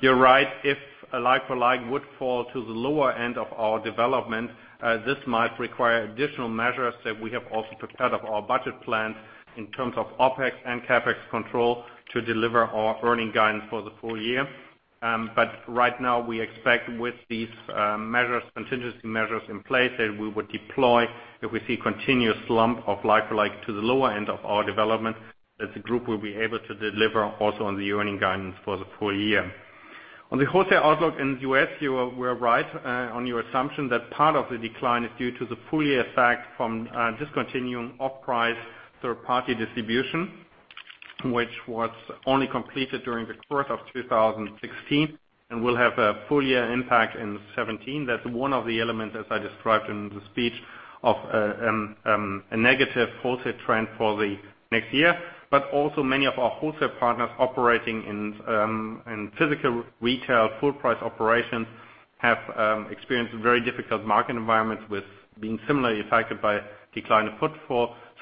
You're right. If a like-for-like would fall to the lower end of our development, this might require additional measures that we have also prepared of our budget plans in terms of OpEx and CapEx control to deliver our earning guidance for the full year. Right now we expect with these measures, contingency measures in place, that we would deploy if we see continuous slump of like-for-like to the lower end of our development, that the group will be able to deliver also on the earning guidance for the full year. On the wholesale outlook in the U.S., you were right on your assumption that part of the decline is due to the full year effect from discontinuing off-price third-party distribution, which was only completed during the course of 2016 and will have a full year impact in 2017. That's one of the elements, as I described in the speech, of a negative wholesale trend for the next year. Also many of our wholesale partners operating in physical retail, full-price operations, have experienced very difficult market environments with being similarly affected by decline in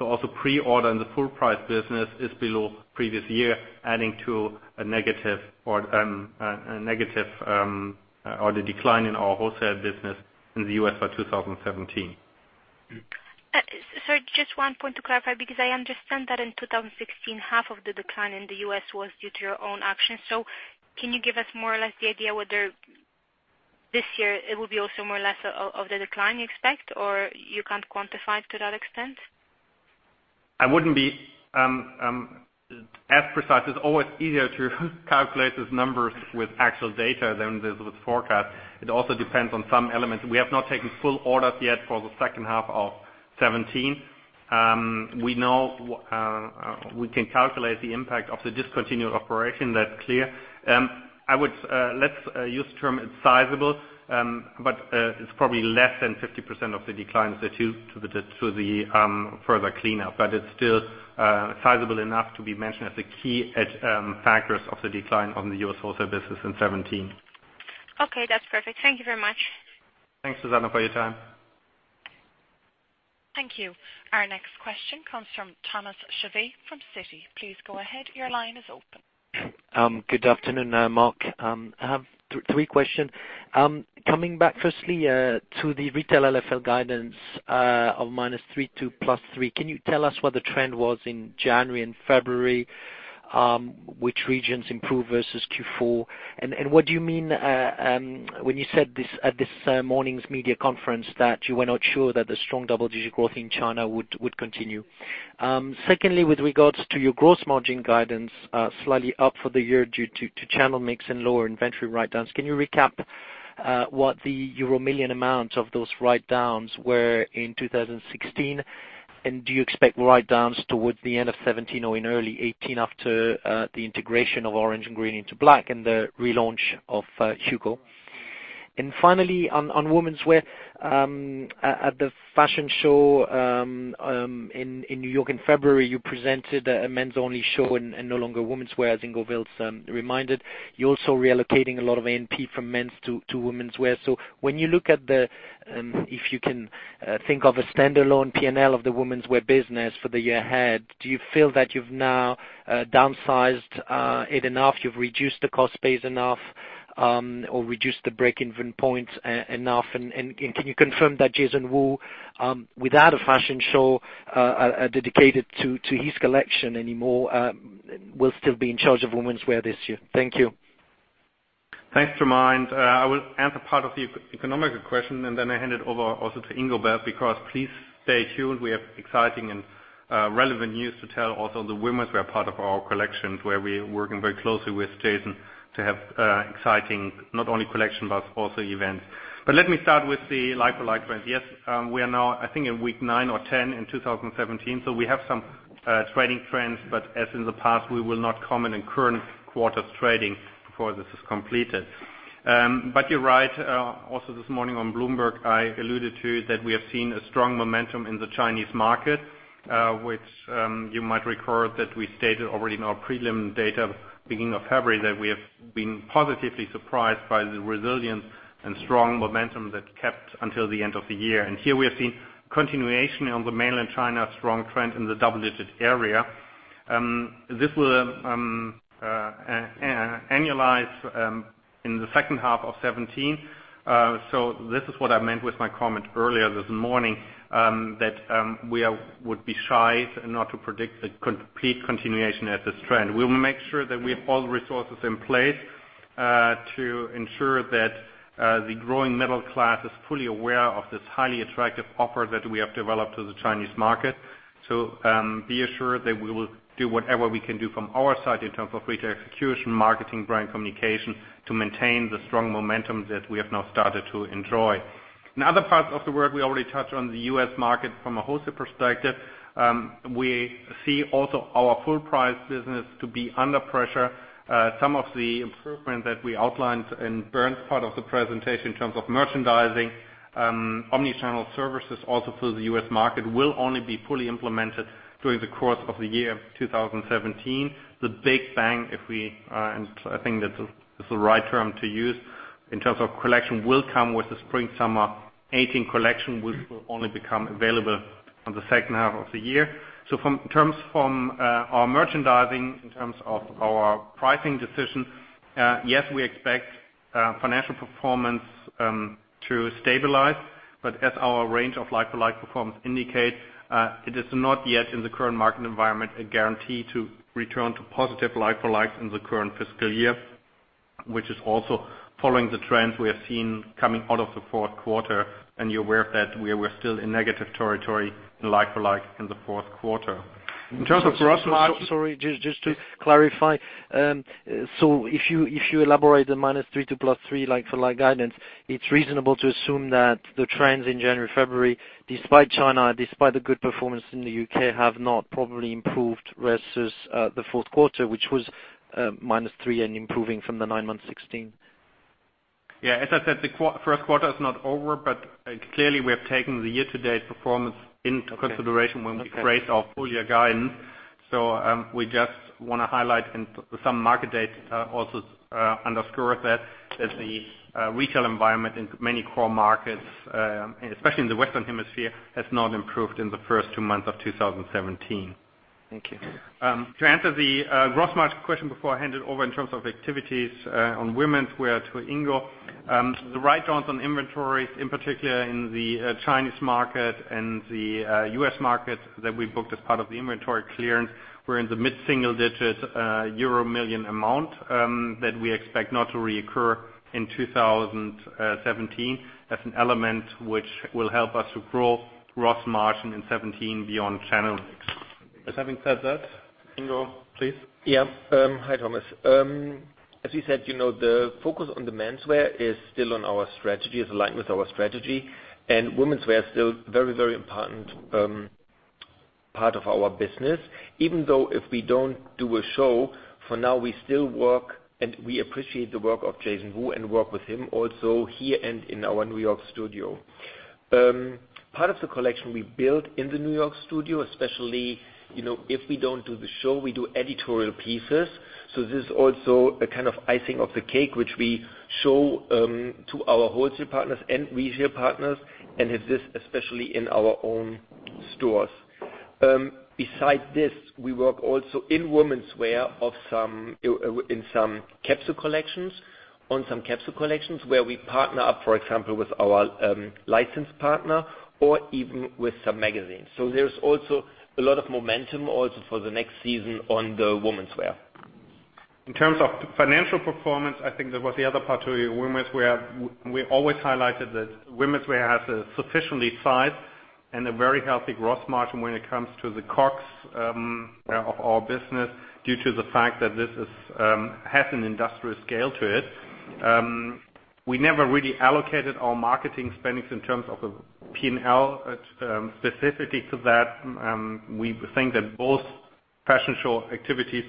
footfall. Also pre-order in the full-price business is below previous year, adding to a negative or the decline in our wholesale business in the U.S. for 2017. Sorry, just one point to clarify, because I understand that in 2016, half of the decline in the U.S. was due to your own actions. Can you give us more or less the idea whether this year it will be also more or less of the decline you expect, or you can't quantify it to that extent? I wouldn't be as precise. It's always easier to calculate these numbers with actual data than with forecast. It also depends on some elements. We have not taken full orders yet for the second half of 2017. We know we can calculate the impact of the discontinued operation. That's clear. Let's use the term it's sizable, but it's probably less than 50% of the declines due to the further cleanup. It's still sizable enough to be mentioned as a key factors of the decline on the U.S. wholesale business in 2017. Okay, that's perfect. Thank you very much. Thanks, Zuzanna, for your time. Thank you. Our next question comes from Thomas Chauvet from Citi. Please go ahead. Your line is open. Good afternoon, Mark. I have three question. Coming back firstly to the retail like-for-like guidance of -3% to +3%, can you tell us what the trend was in January and February? Which regions improved versus Q4? What do you mean when you said at this morning's media conference that you were not sure that the strong double-digit growth in China would continue? Secondly, with regards to your gross margin guidance, slightly up for the year due to channel mix and lower inventory write-downs. Can you recap what the euro million amount of those write-downs were in 2016? Do you expect write-downs towards the end of 2017 or in early 2018 after the integration of Orange and Green into Black and the relaunch of HUGO? Finally, on womenswear. At the fashion show in New York Fashion Week in February, you presented a men's only show and no longer womenswear, as Ingo Wilts reminded. You're also relocating a lot of NP from men's to womenswear. When you look at, if you can think of a standalone P&L of the womenswear business for the year ahead, do you feel that you've now downsized it enough, you've reduced the cost base enough, or reduced the break-even points enough? Can you confirm that Jason Wu, without a fashion show dedicated to his collection anymore, will still be in charge of womenswear this year? Thank you. Thanks, Thomas. I will answer part of the economic question and then I hand it over also to Ingo Wilts, because please stay tuned. We have exciting and relevant news to tell also on the womenswear part of our collections, where we are working very closely with Jason to have exciting not only collection, but also events. Let me start with the like-for-like trend. Yes, we are now, I think, in week nine or 10 in 2017, so we have some trading trends. As in the past, we will not comment on current quarter's trading before this is completed. You're right. This morning on Bloomberg, I alluded to that we have seen a strong momentum in the Chinese market, which you might recall that we stated already in our prelim data beginning of February, that we have been positively surprised by the resilience and strong momentum that kept until the end of the year. Here we have seen continuation on the mainland China, strong trend in the double-digit area. This will annualize in the second half of 2017. This is what I meant with my comment earlier this morning, that we would be shy not to predict the complete continuation at this trend. We will make sure that we have all resources in place to ensure that the growing middle class is fully aware of this highly attractive offer that we have developed to the Chinese market. Be assured that we will do whatever we can do from our side in terms of retail execution, marketing, brand communication, to maintain the strong momentum that we have now started to enjoy. In other parts of the world, we already touched on the U.S. market from a wholesale perspective. We see also our full-price business to be under pressure. Some of the improvements that we outlined in Bernd's part of the presentation in terms of merchandising, omni-channel services also for the U.S. market will only be fully implemented during the course of the year 2017. The big bang, and I think that this is the right term to use, in terms of collection will come with the Spring/Summer 2018 collection, which will only become available on the second half of the year. In terms from our merchandising, in terms of our pricing decision, yes, we expect financial performance to stabilize, but as our range of like-for-like performance indicate, it is not yet in the current market environment a guarantee to return to positive like-for-likes in the current fiscal year, which is also following the trends we have seen coming out of the fourth quarter. You're aware that we are still in negative territory in like-for-like in the fourth quarter. In terms of gross margin- Sorry, just to clarify. If you elaborate the -3% to +3% like-for-like guidance, it's reasonable to assume that the trends in January, February, despite China, despite the good performance in the U.K., have not probably improved versus the fourth quarter, which was -3% and improving from the nine-month 2016. As I said, the first quarter is not over. Clearly, we have taken the year-to-date performance into consideration when we create our full-year guidance. We just want to highlight, and some market data also underscore that the retail environment in many core markets, especially in the Western Hemisphere, has not improved in the first two months of 2017. Thank you. To answer the gross margin question before I hand it over in terms of activities on womenswear to Ingo. The write-downs on inventories, in particular in the Chinese market and the U.S. market that we booked as part of the inventory clearance, were in the mid-single digits euro million amount that we expect not to reoccur in 2017. That's an element which will help us to grow gross margin in 2017 beyond channel mix. Having said that, Ingo, please. Hi, Thomas. As we said, the focus on the menswear is still on our strategy, is aligned with our strategy. Womenswear is still a very important part of our business. Even though if we don't do a show, for now, we still work and we appreciate the work of Jason Wu and work with him also here and in our New York studio. Part of the collection we build in the New York studio, especially if we don't do the show, we do editorial pieces. This is also a kind of icing of the cake, which we show to our wholesale partners and retail partners and have this especially in our own stores. Besides this, we work also in womenswear in some capsule collections, on some capsule collections where we partner up, for example, with our license partner or even with some magazines. There's also a lot of momentum also for the next season on the womenswear. In terms of financial performance, I think that was the other part to womenswear. We always highlighted that womenswear has a sufficiently size and a very healthy gross margin when it comes to the COGS of our business due to the fact that this has an industrial scale to it. We never really allocated our marketing spendings in terms of a P&L specificity to that. We think that both fashion show activities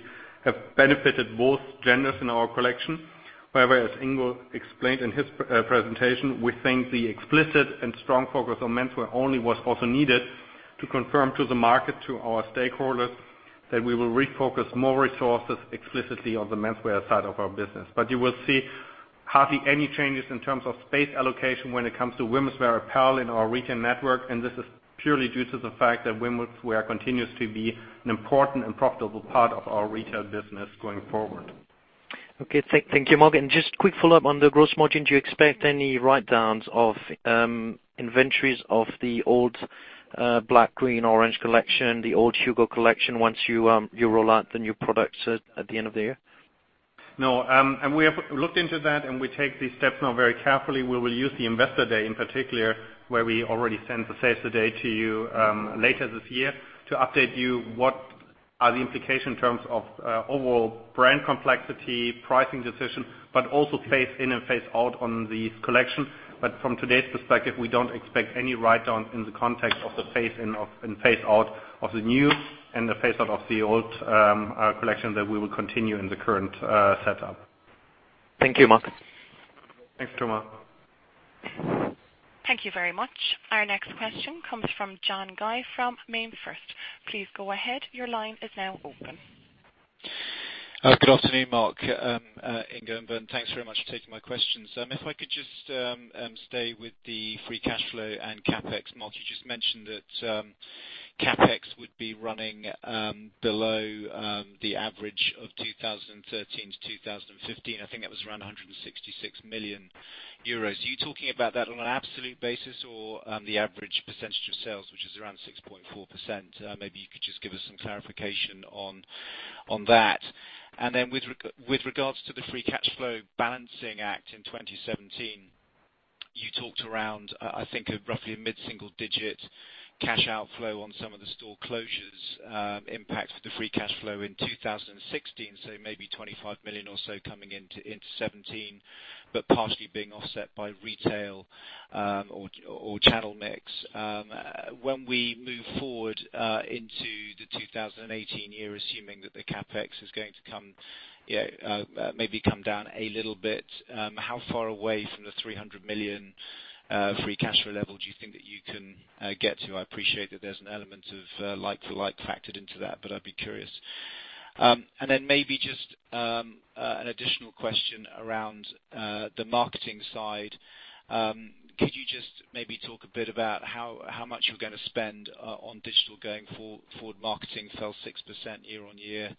have benefited both genders in our collection. However, as Ingo explained in his presentation, we think the explicit and strong focus on menswear only was also needed to confirm to the market, to our stakeholders, that we will refocus more resources explicitly on the menswear side of our business. You will see hardly any changes in terms of space allocation when it comes to womenswear apparel in our retail network. This is purely due to the fact that womenswear continues to be an important and profitable part of our retail business going forward. Okay. Thank you, Mark. Just quick follow-up on the gross margin. Do you expect any write-downs of inventories of the old BOSS Black, BOSS Green, BOSS Orange collection, the old HUGO collection, once you roll out the new products at the end of the year? No. We have looked into that, and we take these steps now very carefully. We will use the investor day in particular, where we already send the sales day to you later this year to update you what are the implications in terms of overall brand complexity, pricing decision, but also phase in and phase out on these collections. From today's perspective, we don't expect any write-down in the context of the phase in and phase out of the new and the phase out of the old collection that we will continue in the current setup. Thank you, Mark. Thanks, Thomas. Thank you very much. Our next question comes from John Guy from MainFirst. Please go ahead. Your line is now open. Good afternoon, Mark, Ingo, and Bernd. Thanks very much for taking my questions. If I could just stay with the free cash flow and CapEx. Mark, you just mentioned that CapEx would be running below the average of 2013 to 2015. I think that was around 166 million euros. Are you talking about that on an absolute basis or the average percentage of sales, which is around 6.4%? Maybe you could just give us some clarification on that. With regards to the free cash flow balancing act in 2017, you talked around, I think, roughly a mid-single-digit cash outflow on some of the store closures impact for the free cash flow in 2016, so maybe 25 million or so coming into 2017, but partially being offset by retail or channel mix. When we move forward into the 2018 year, assuming that the CapEx is going to maybe come down a little bit, how far away from the 300 million free cash flow level do you think that you can get to? I appreciate that there's an element of like-for-like factored into that, but I'd be curious. Maybe just an additional question around the marketing side. Could you just maybe talk a bit about how much you're going to spend on digital going forward? Marketing fell 6% year-on-year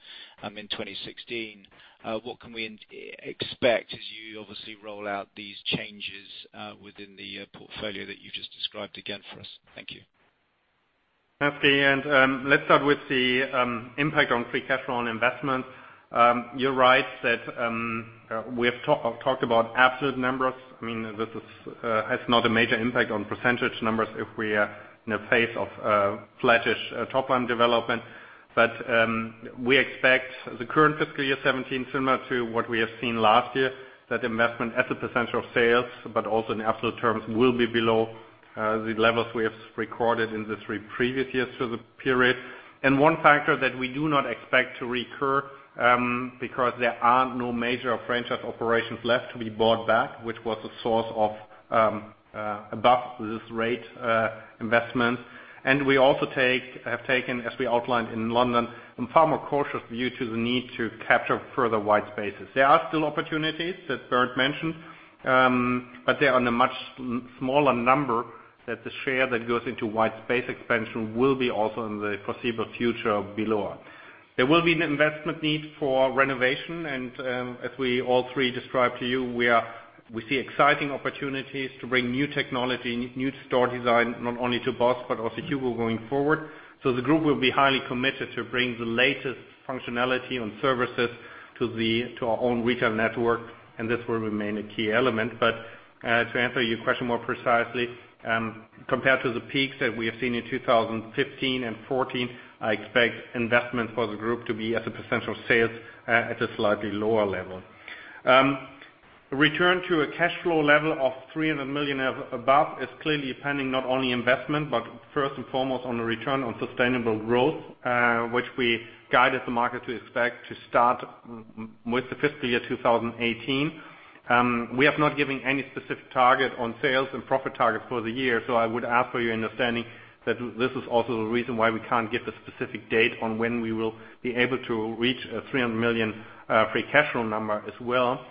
in 2016. What can we expect as you obviously roll out these changes within the portfolio that you've just described again for us? Thank you. Let's start with the impact on free cash flow on investment. You're right that we have talked about absolute numbers. This has not a major impact on percentage numbers if we are in a phase of flattish top-line development. We expect the current fiscal year 2017, similar to what we have seen last year, that investment as a percentage of sales, but also in absolute terms, will be below the levels we have recorded in the three previous years through the period. One factor that we do not expect to recur, because there are no major franchise operations left to be bought back, which was a source of above this rate investment. We also have taken, as we outlined in London, a far more cautious view to the need to capture further white spaces. There are still opportunities that Bernd mentioned, but they are in a much smaller number that the share that goes into white space expansion will be also in the foreseeable future below. There will be an investment need for renovation, and as we all three described to you, we see exciting opportunities to bring new technology, new store design, not only to BOSS, but also HUGO going forward. The group will be highly committed to bring the latest functionality and services to our own retail network, and this will remain a key element. To answer your question more precisely, compared to the peaks that we have seen in 2015 and 2014, I expect investment for the group to be as a percentage of sales at a slightly lower level. Return to a cash flow level of 300 million above is clearly depending not only investment, but first and foremost on a return on sustainable growth, which we guided the market to expect to start with the fiscal year 2018. We have not given any specific target on sales and profit targets for the year, I would ask for your understanding that this is also the reason why we can't give a specific date on when we will be able to reach a 300 million free cash flow number as well.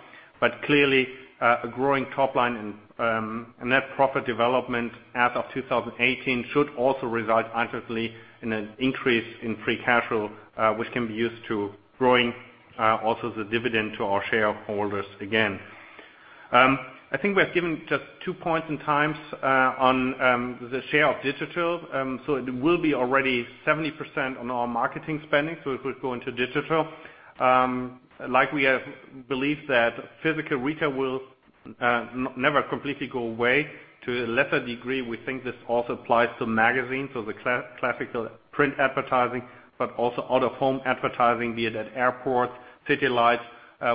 Clearly, a growing top-line and net profit development as of 2018 should also result actively in an increase in free cash flow, which can be used to growing also the dividend to our shareholders again. I think we have given just two points in time on the share of digital. It will be already 70% on our marketing spending. It will go into digital. We have believed that physical retail will never completely go away. To a lesser degree, we think this also applies to magazines. The classical print advertising, but also out-of-home advertising, be it at airports, city lights,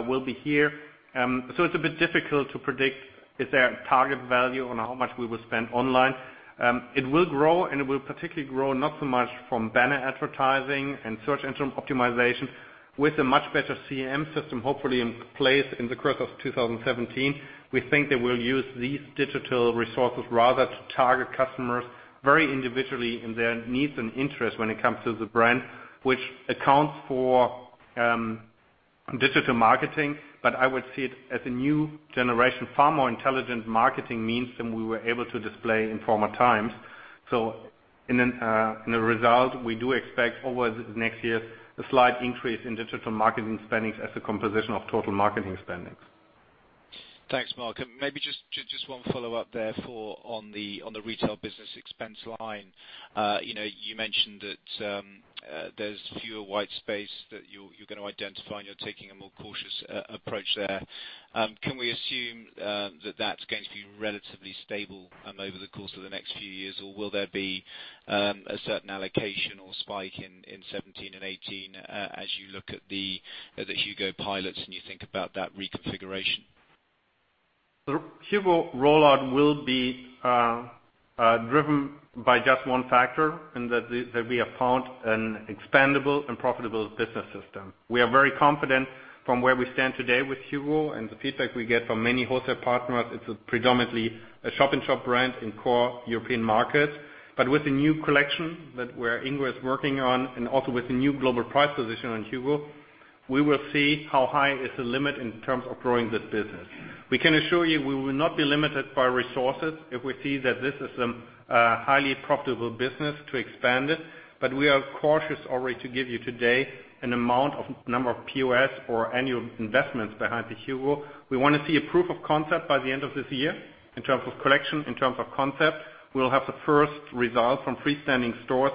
will be here. It's a bit difficult to predict, is there a target value on how much we will spend online? It will grow, and it will particularly grow, not so much from banner advertising and search engine optimization. With a much better CRM system, hopefully in place in the course of 2017, we think that we'll use these digital resources rather to target customers very individually in their needs and interest when it comes to the brand, which accounts for digital marketing. I would see it as a new generation, far more intelligent marketing means than we were able to display in former times. In the result, we do expect over the next years a slight increase in digital marketing spendings as a composition of total marketing spendings. Thanks, Mark. Maybe just one follow-up there on the retail business expense line. You mentioned that there's fewer white space that you're going to identify and you're taking a more cautious approach there. Can we assume that that's going to be relatively stable over the course of the next few years, or will there be a certain allocation or spike in 2017 and 2018 as you look at the HUGO pilots and you think about that reconfiguration? The HUGO rollout will be driven by just one factor, that we have found an expandable and profitable business system. We are very confident from where we stand today with HUGO and the feedback we get from many wholesale partners. It's predominantly a shop-in-shop brand in core European markets. With the new collection that we're in progress working on, and also with the new global price position on HUGO, we will see how high is the limit in terms of growing this business. We can assure you we will not be limited by resources if we see that this is a highly profitable business to expand it. We are cautious already to give you today an amount of number of POS or annual investments behind the HUGO. We want to see a proof of concept by the end of this year in terms of collection, in terms of concept. We'll have the first result from freestanding stores.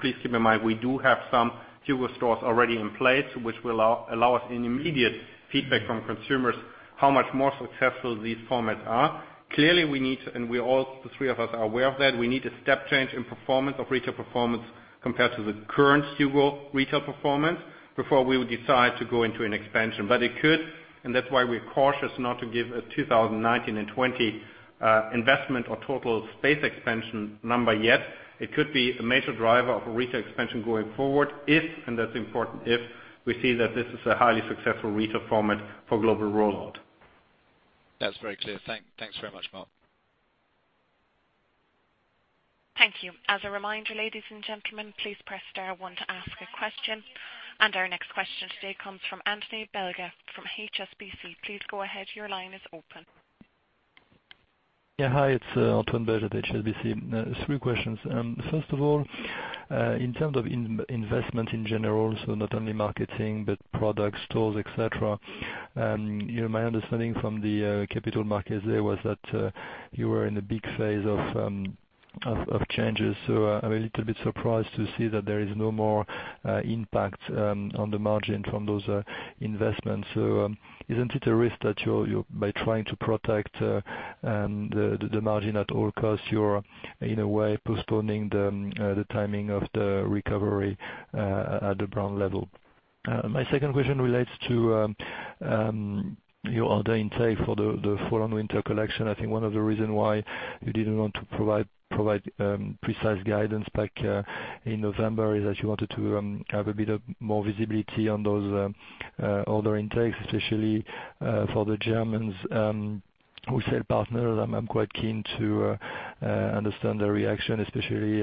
Please keep in mind, we do have some HUGO stores already in place, which will allow us an immediate feedback from consumers how much more successful these formats are. Clearly, we need to, and all three of us are aware of that, we need a step change in performance of retail performance compared to the current HUGO retail performance before we will decide to go into an expansion. It could, and that's why we're cautious not to give a 2019 and 2020 investment or total space expansion number yet. It could be a major driver of a retail expansion going forward if, and that's important if, we see that this is a highly successful retail format for global rollout. That's very clear. Thanks very much, Mark. Thank you. As a reminder, ladies and gentlemen, please press star one to ask a question. Our next question today comes from Antoine Belge from HSBC. Please go ahead. Your line is open. Yeah. Hi, it's Antoine Belge at HSBC. Three questions. First of all, in terms of investment in general, so not only marketing but product stores, et cetera. My understanding from the Capital Markets Day was that you were in a big phase of changes. I'm a little bit surprised to see that there is no more impact on the margin from those investments. Isn't it a risk that by trying to protect the margin at all costs, you're in a way postponing the timing of the recovery at the brand level? My second question relates to your order intake for the fall and winter collection. I think one of the reason why you didn't want to provide precise guidance back in November is that you wanted to have a bit of more visibility on those order intakes, especially for the Germans wholesale partners. I'm quite keen to understand the reaction, especially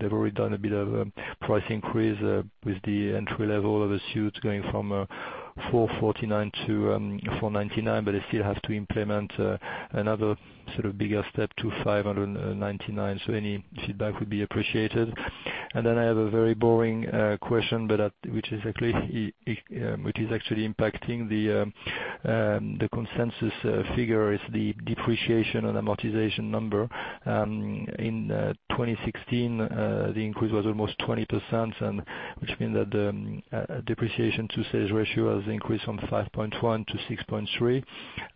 they've already done a bit of a price increase with the entry level of the suits going from 449 to 499, but they still have to implement another sort of bigger step to 599. Any feedback would be appreciated. I have a very boring question, but which is actually impacting the consensus figure is the depreciation and amortization number. In 2016, the increase was almost 20%, which means that the depreciation to sales ratio has increased from 5.1% to 6.3%.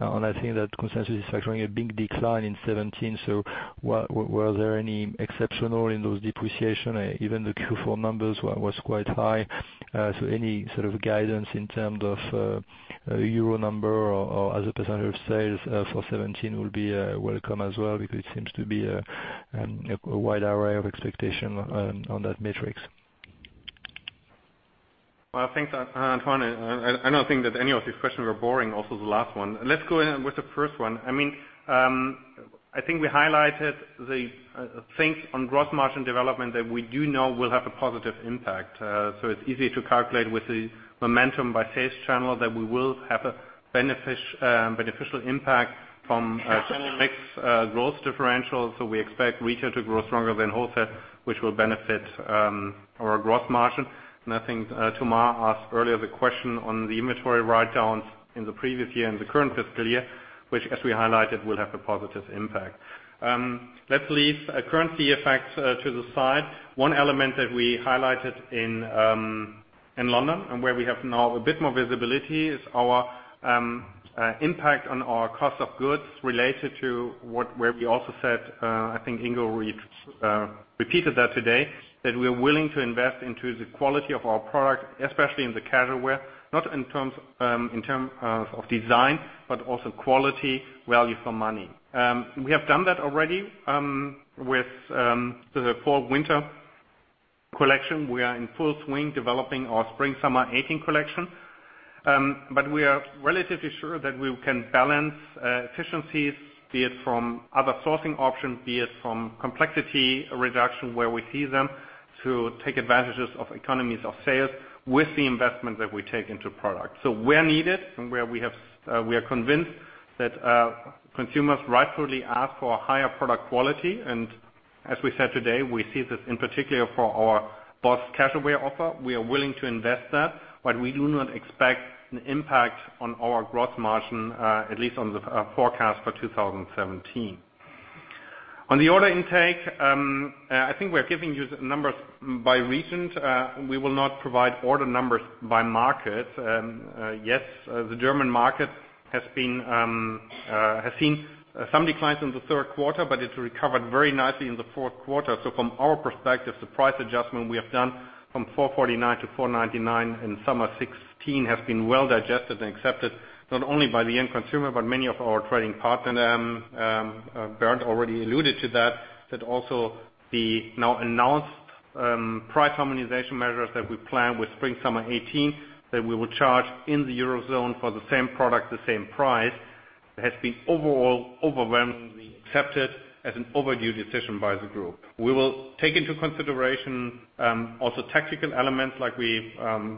I think that consensus is factoring a big decline in 2017. Were there any exceptional in those depreciation? Even the Q4 numbers was quite high. Any sort of guidance in terms of EUR number or as a percentage of sales for 2017 will be welcome as well, because it seems to be a wide array of expectation on that metric. Well, thanks, Antoine. I don't think that any of these questions were boring, also the last one. Let's go in with the first one. I think we highlighted the things on gross margin development that we do know will have a positive impact. It's easy to calculate with the momentum by sales channel that we will have a beneficial impact from a mix gross differential. We expect retail to grow stronger than wholesale, which will benefit our gross margin. I think Thomas asked earlier the question on the inventory write-downs in the previous year and the current fiscal year, which as we highlighted, will have a positive impact. Let's leave currency effects to the side. One element that we highlighted in London, where we have now a bit more visibility is our impact on our COGS related to where we also said, I think Ingo repeated that today, that we are willing to invest into the quality of our product, especially in the casual wear, not in terms of design, but also quality, value for money. We have done that already with the fall/winter collection. We are in full swing developing our spring/summer 2018 collection. We are relatively sure that we can balance efficiencies, be it from other sourcing options, be it from complexity reduction where we see them, to take advantages of economies of scale with the investment that we take into product. Where needed and where we are convinced that consumers rightfully ask for higher product quality. As we said today, we see this in particular for our BOSS casual wear offer. We are willing to invest that, we do not expect an impact on our gross margin, at least on the forecast for 2017. On the order intake, I think we're giving you the numbers by region. We will not provide order numbers by market. Yes, the German market has seen some declines in the third quarter, but it's recovered very nicely in the fourth quarter. From our perspective, the price adjustment we have done from 449 to 499 in summer 2016 has been well digested and accepted, not only by the end consumer, but many of our trading partners. Bernd already alluded to that also the now announced price harmonization measures that we plan with spring/summer 2018, that we will charge in the Eurozone for the same product, the same price, has been overall overwhelmingly accepted as an overdue decision by the group. We will take into consideration also tactical elements like we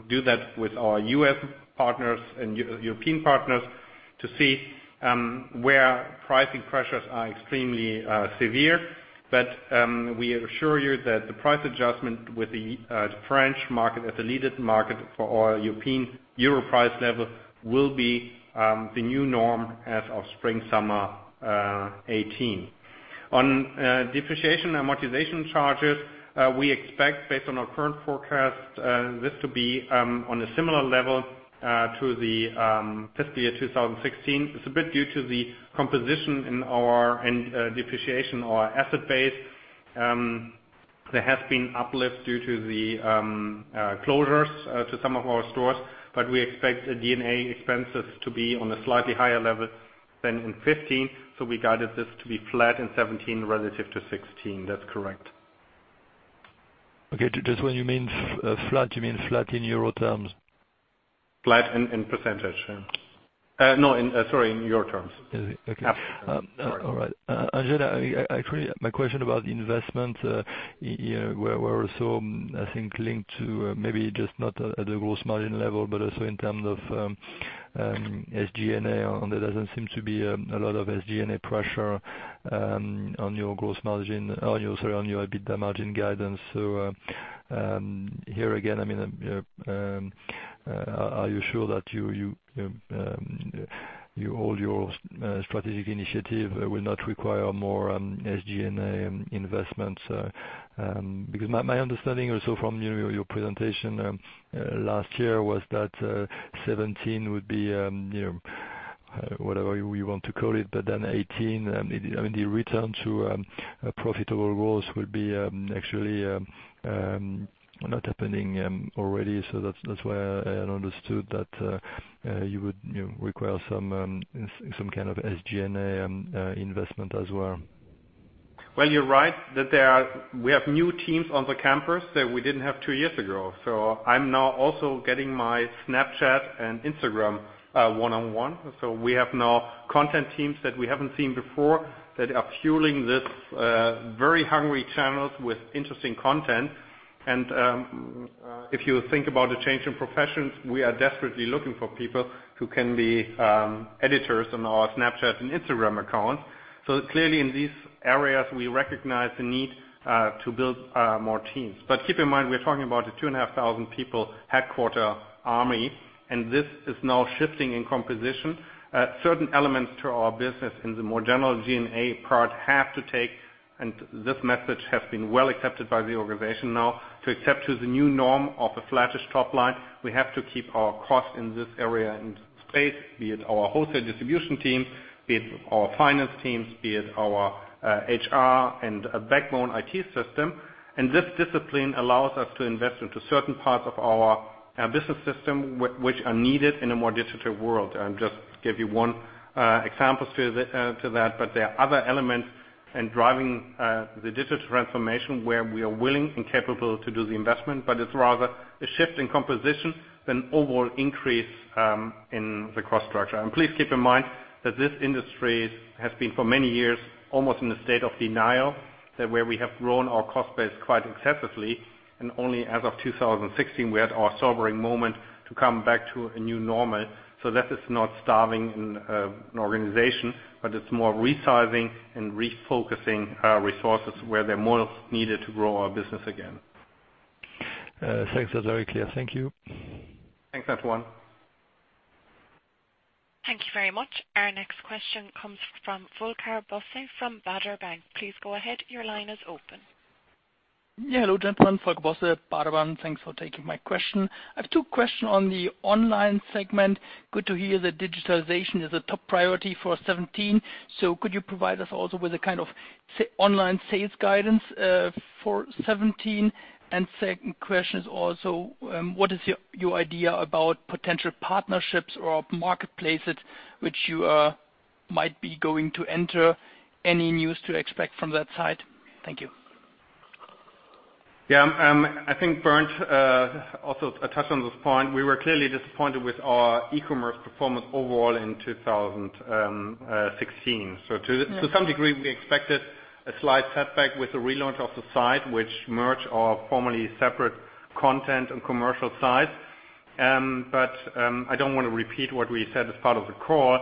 do that with our U.S. partners and European partners to see where pricing pressures are extremely severe. We assure you that the price adjustment with the French market as the lead market for our European Euro price level will be the new norm as of spring/summer 2018. On depreciation amortization charges, we expect, based on our current forecast, this to be on a similar level to the fiscal year 2016. It's a bit due to the composition in our depreciation, our asset base. There has been uplift due to the closures to some of our stores, we expect SG&A expenses to be on a slightly higher level than in 2015, we guided this to be flat in 2017 relative to 2016. That's correct. Okay. Just when you mean flat, you mean flat in Euro terms? Flat in percentage. No, sorry, in Euro terms. Okay. Absolutely. Sorry. All right. Actually, my question about investment, where also I think linked to maybe just not at the gross margin level, but also in terms of SG&A, and there doesn't seem to be a lot of SG&A pressure on your EBITDA margin guidance. Here again, are you sure that all your strategic initiative will not require more SG&A investments? My understanding also from your presentation last year was that 2017 would be, whatever you want to call it, but then 2018, the return to profitable growth will be actually not happening already. That's why I understood that you would require some kind of SG&A investment as well. Well, you're right. We have new teams on the campus that we didn't have two years ago. I'm now also getting my Snapchat and Instagram one-on-one. We have now content teams that we haven't seen before that are fueling these very hungry channels with interesting content. If you think about the change in professions, we are desperately looking for people who can be editors on our Snapchat and Instagram accounts. Clearly in these areas, we recognize the need to build more teams. Keep in mind, we're talking about a 2,500 people headquarter army, and this is now shifting in composition. Certain elements to our business in the more general G&A part have to take, and this message has been well accepted by the organization now, to accept to the new norm of a flattish top line. We have to keep our costs in this area and space, be it our wholesale distribution team, be it our finance teams, be it our HR and backbone IT system. This discipline allows us to invest into certain parts of our business system which are needed in a more digital world. I'll just give you one example to that, but there are other elements in driving the digital transformation where we are willing and capable to do the investment, but it's rather a shift in composition than overall increase in the cost structure. Please keep in mind that this industry has been for many years, almost in a state of denial, that where we have grown our cost base quite excessively, and only as of 2016, we had our sobering moment to come back to a new normal. That is not starving an organization, but it's more resizing and refocusing our resources where they're most needed to grow our business again. Thanks. That's very clear. Thank you. Thanks, Antoine. Thank you very much. Our next question comes from Volker Bosse from Baader Bank. Please go ahead. Your line is open. Yeah. Hello, gentlemen. Volker Bosse, Baader Bank. Thanks for taking my question. I have two question on the online segment. Good to hear that digitalization is a top priority for 2017. Second question is also, what is your idea about potential partnerships or marketplaces which you might be going to enter? Any news to expect from that side? Thank you. Yeah. I think Bernd also touched on this point. We were clearly disappointed with our e-commerce performance overall in 2016. To some degree, we expected a slight setback with the relaunch of the site, which merged our formerly separate content and commercial sides. I don't want to repeat what we said as part of the call.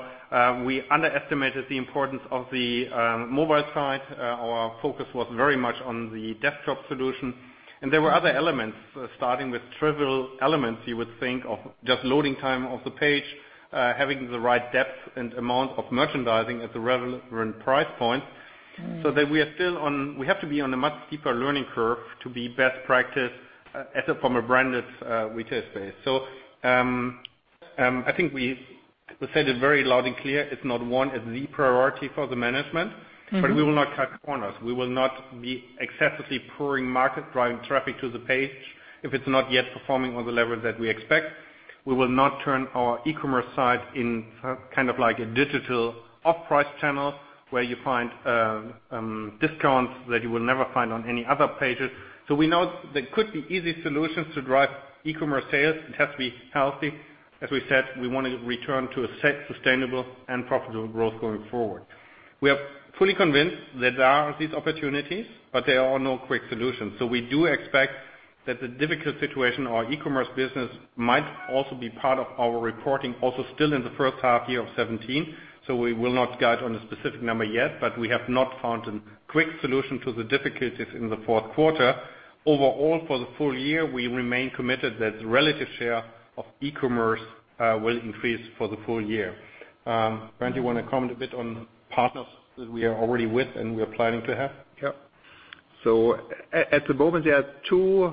We underestimated the importance of the mobile side. Our focus was very much on the desktop solution. There were other elements, starting with trivial elements, you would think, of just loading time of the page, having the right depth and amount of merchandising at the relevant price point, so that we have to be on a much steeper learning curve to be best practice as a former branded retail space. I think we said it very loud and clear. It's not one, it's the priority for the management. We will not cut corners. We will not be excessively pouring market, driving traffic to the page if it's not yet performing on the level that we expect. We will not turn our e-commerce side in a digital off-price channel where you find discounts that you will never find on any other pages. We know there could be easy solutions to drive e-commerce sales. It has to be healthy. As we said, we want to return to a safe, sustainable, and profitable growth going forward. We are fully convinced that there are these opportunities, but there are no quick solutions. We do expect that the difficult situation our e-commerce business might also be part of our reporting also still in the first half year of 2017. We will not guide on a specific number yet. We have not found a quick solution to the difficulties in the fourth quarter. Overall, for the full year, we remain committed that the relative share of e-commerce will increase for the full year. Bernd, you want to comment a bit on partners that we are already with and we are planning to have? At the moment, there are two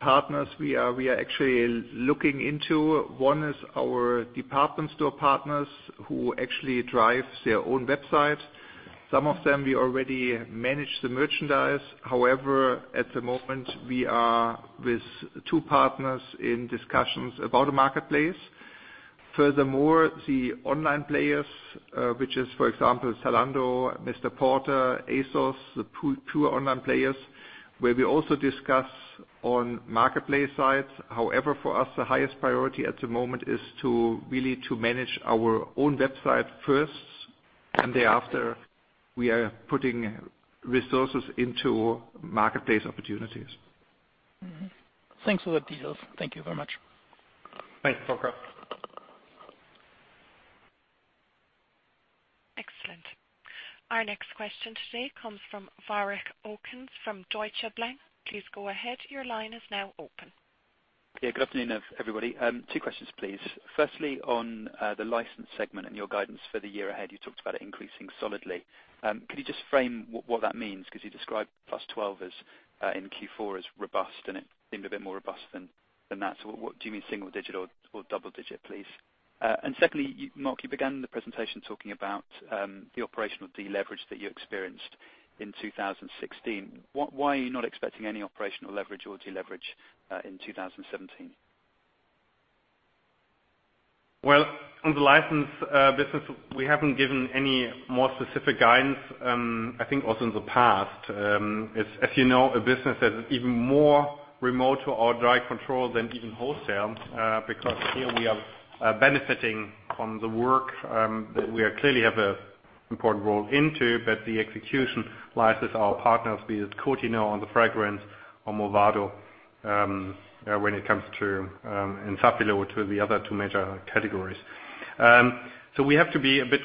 partners we are actually looking into. One is our department store partners who actually drive their own website. Some of them, we already manage the merchandise. At the moment, we are with two partners in discussions about a marketplace. The online players, which is, for example, Zalando, Mr Porter, ASOS, the pure online players, where we also discuss on marketplace side. For us, the highest priority at the moment is to really to manage our own website first, and thereafter, we are putting resources into marketplace opportunities. Thanks for the details. Thank you very much. Thanks, Volker. Excellent. Our next question today comes from Warwick Okines from Deutsche Bank. Please go ahead. Your line is now open. Yeah. Good afternoon, everybody. Two questions, please. Firstly, on the license segment and your guidance for the year ahead. You talked about it increasing solidly. Could you just frame what that means? Because you described +12 in Q4 as robust, and it seemed a bit more robust than that. Do you mean single digit or double digit, please? Secondly, Mark, you began the presentation talking about the operational deleverage that you experienced in 2016. Why are you not expecting any operational leverage or deleverage in 2017? Well, on the license business, we haven't given any more specific guidance. I think also in the past. As you know, a business that is even more remote to our direct control than even wholesale, because here we are benefiting from the work that we clearly have an important role into, but the execution lies with our partners, be it Coty now on the fragrance or Movado, when it comes to and Safilo to the other two major categories. We have to be a bit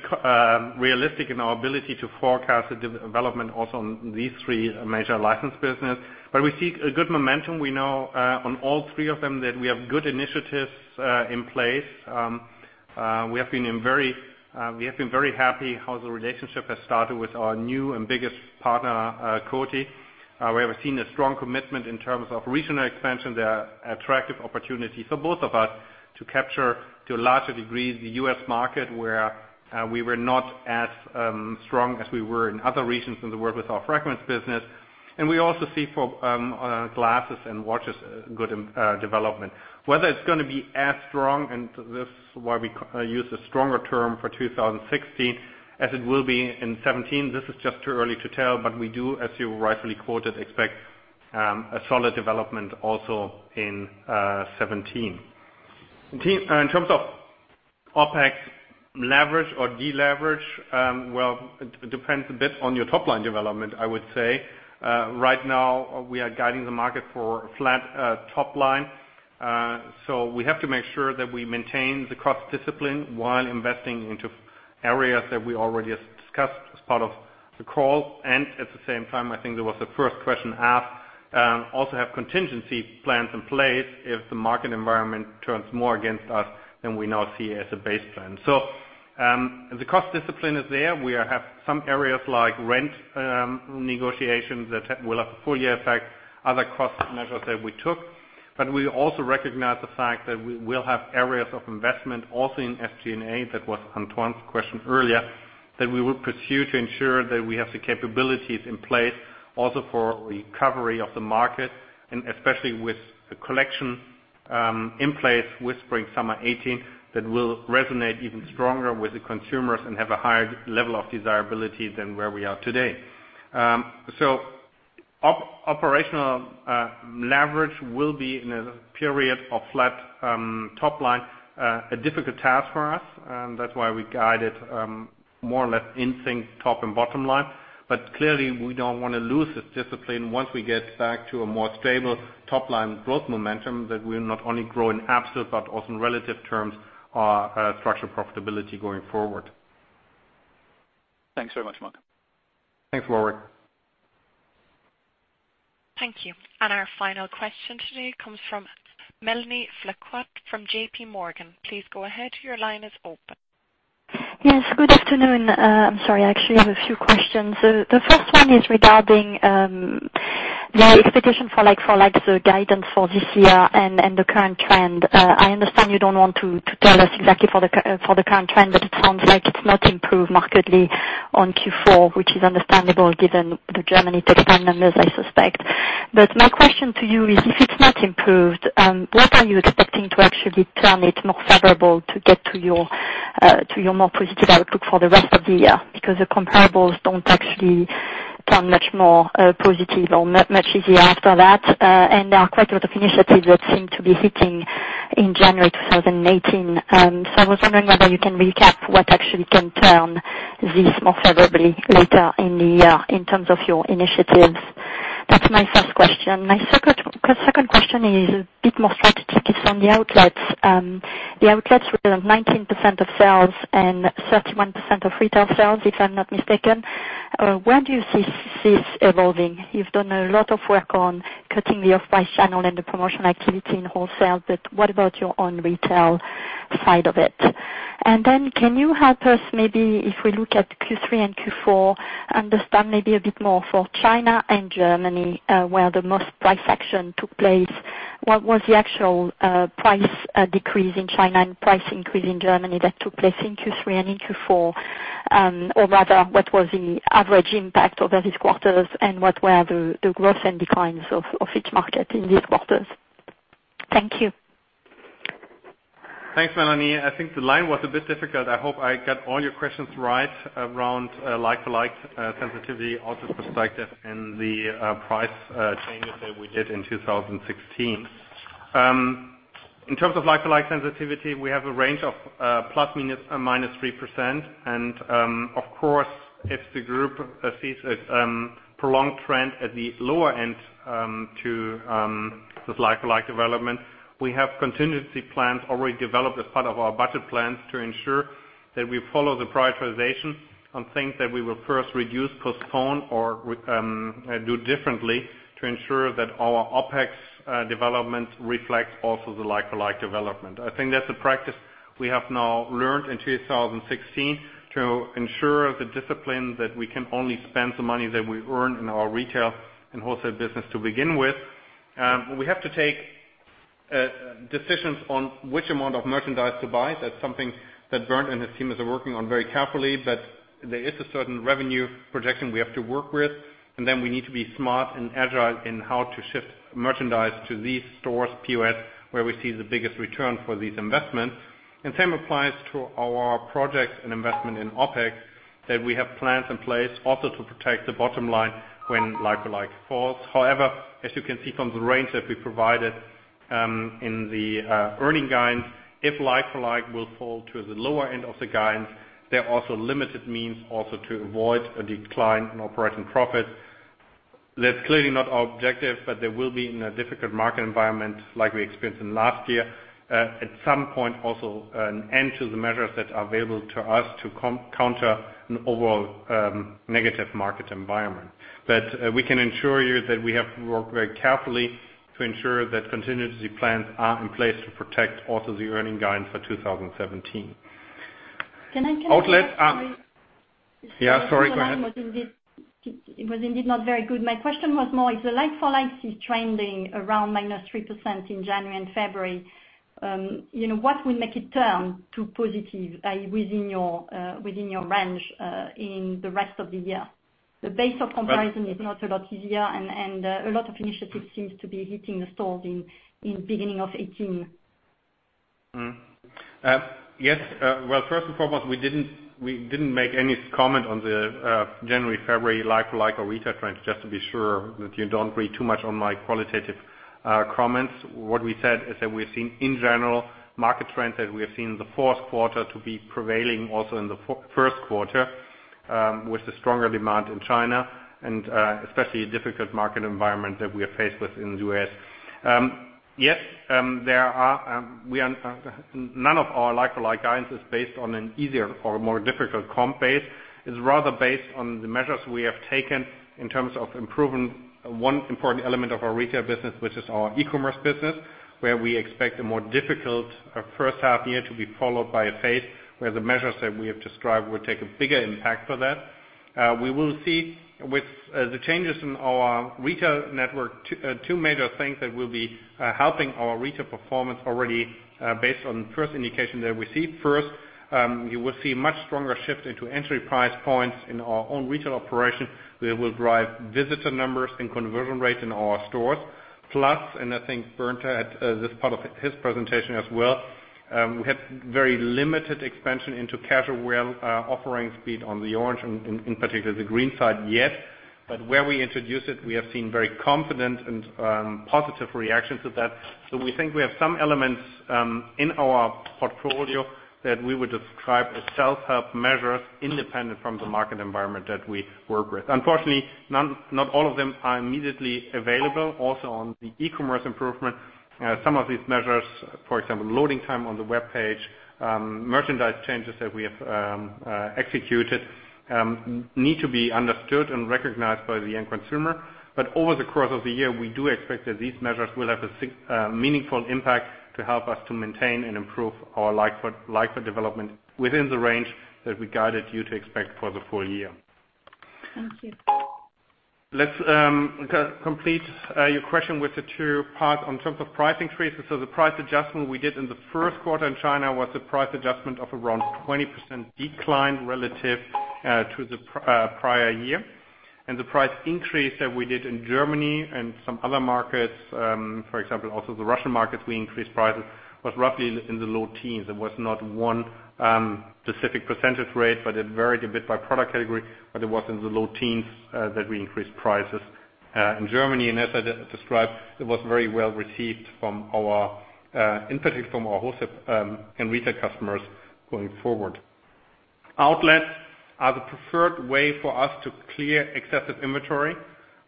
realistic in our ability to forecast the development also on these three major license business. We see a good momentum. We know, on all three of them, that we have good initiatives in place. We have been very happy how the relationship has started with our new and biggest partner, Coty. We have seen a strong commitment in terms of regional expansion. There are attractive opportunities for both of us to capture to a larger degree the U.S. market, where we were not as strong as we were in other regions in the world with our fragrance business. We also see for glasses and watches, good development. Whether it is going to be as strong, and this is why we use a stronger term for 2016, as it will be in 2017, this is just too early to tell, but we do, as you rightfully quoted, expect a solid development also in 2017. In terms of OpEx leverage or deleverage, it depends a bit on your top-line development, I would say. Right now, we are guiding the market for a flat top line. We have to make sure that we maintain the cost discipline while investing into areas that we already discussed as part of the call. At the same time, I think that was the first question asked, also have contingency plans in place if the market environment turns more against us than we now see as a base plan. The cost discipline is there. We have some areas like rent negotiations that will have a full year effect, other cost measures that we took. We also recognize the fact that we will have areas of investment also in SG&A, that was Antoine's question earlier. That we will pursue to ensure that we have the capabilities in place also for recovery of the market, and especially with the collection in place with spring/summer 2018, that will resonate even stronger with the consumers and have a higher level of desirability than where we are today. Operational leverage will be in a period of flat top line, a difficult task for us. That is why we guided more or less in sync, top and bottom line. Clearly we do not want to lose this discipline once we get back to a more stable top-line growth momentum that will not only grow in absolute but also in relative terms, structural profitability going forward. Thanks very much, Mark. Thanks, Warwick. Thank you. Our final question today comes from Mélanie Flouquet from JPMorgan. Please go ahead. Your line is open. Yes, good afternoon. I'm sorry, I actually have a few questions. The first one is regarding your expectation for like the guidance for this year and the current trend. I understand you don't want to tell us exactly for the current trend, but it sounds like it's not improved markedly on Q4, which is understandable given the Germany [takes time], I suspect. My question to you is, if it's not improved, what are you expecting to actually turn it more favorable to get to your more positive outlook for the rest of the year? Because the comparables don't actually turn much more positive or much easier after that. There are quite a lot of initiatives that seem to be hitting in January 2018. I was wondering whether you can recap what actually can turn this more favorably later in the year in terms of your initiatives. That's my first question. My second question is a bit more strategic. It's on the outlets. The outlets were at 19% of sales and 31% of retail sales, if I'm not mistaken. Where do you see this evolving? You've done a lot of work on cutting the off-price channel and the promotion activity in wholesale, but what about your own retail side of it? Can you help us maybe, if we look at Q3 and Q4, understand maybe a bit more for China and Germany, where the most price action took place. What was the actual price decrease in China and price increase in Germany that took place in Q3 and in Q4? Or rather, what was the average impact over these quarters, and what were the growth and declines of each market in these quarters? Thank you. Thanks, Mélanie. I think the line was a bit difficult. I hope I got all your questions right around like-for-like sensitivity, order perspective, and the price changes that we did in 2016. In terms of like-for-like sensitivity, we have a range of ±3%. Of course, if the group sees a prolonged trend at the lower end to this like-for-like development, we have contingency plans already developed as part of our budget plans to ensure that we follow the prioritization on things that we will first reduce, postpone, or do differently to ensure that our OpEx development reflects also the like-for-like development. I think that's a practice we have now learned in 2016 to ensure the discipline that we can only spend the money that we earn in our retail and wholesale business to begin with. We have to take decisions on which amount of merchandise to buy. That's something that Bernd and his teams are working on very carefully. There is a certain revenue projection we have to work with, and then we need to be smart and agile in how to shift merchandise to these stores, POS, where we see the biggest return for these investments. Same applies to our projects and investment in OpEx, that we have plans in place also to protect the bottom line when like-for-like falls. However, as you can see from the range that we provided in the earning guidance, if like-for-like will fall to the lower end of the guidance, there are also limited means also to avoid a decline in operating profit. That's clearly not our objective, there will be, in a difficult market environment like we experienced in last year, at some point also an end to the measures that are available to us to counter an overall negative market environment. We can ensure you that we have worked very carefully to ensure that contingency plans are in place to protect also the earning guidance for 2017. Can I come in? Sorry. Yeah, sorry. Go ahead. The line was indeed not very good. My question was more, if the like-for-like is trending around minus 3% in January and February, what will make it turn to positive within your range in the rest of the year? The base of comparison is not a lot easier, a lot of initiatives seems to be hitting the stores in beginning of 2018. Yes. Well, first and foremost, we didn't make any comment on the January, February like-for-like or retail trends, just to be sure that you don't read too much on my qualitative comments. What we said is that we have seen in general market trends that we have seen in the fourth quarter to be prevailing also in the first quarter. With the stronger demand in China, especially a difficult market environment that we are faced with in the U.S. Yes, none of our like-for-like guidance is based on an easier or more difficult comp base. It's rather based on the measures we have taken in terms of improving one important element of our retail business, which is our e-commerce business, where we expect a more difficult first half year to be followed by a phase where the measures that we have described will take a bigger impact for that. We will see with the changes in our retail network, two major things that will be helping our retail performance already based on first indication that we see. First, you will see much stronger shift into entry price points in our own retail operation that will drive visitor numbers and conversion rates in our stores. Plus, I think Bernd had this part of his presentation as well, we had very limited expansion into casual wear offerings be it on the BOSS Orange and in particular the BOSS Green side yet. Where we introduce it, we have seen very confident and positive reactions to that. We think we have some elements in our portfolio that we would describe as self-help measures independent from the market environment that we work with. Unfortunately, not all of them are immediately available. On the e-commerce improvement, some of these measures, for example, loading time on the webpage, merchandise changes that we have executed, need to be understood and recognized by the end consumer. Over the course of the year, we do expect that these measures will have a meaningful impact to help us to maintain and improve our like-for-like development within the range that we guided you to expect for the full year. Thank you. Let's complete your question with the two parts on terms of pricing increases. The price adjustment we did in the first quarter in China was a price adjustment of around 20% decline relative to the prior year. The price increase that we did in Germany and some other markets, for example, also the Russian markets we increased prices, was roughly in the low teens. It was not one specific percentage rate, but it varied a bit by product category, but it was in the low teens that we increased prices. In Germany, as I described, it was very well received in particular from our wholesale and retail customers going forward. Outlets are the preferred way for us to clear excessive inventory.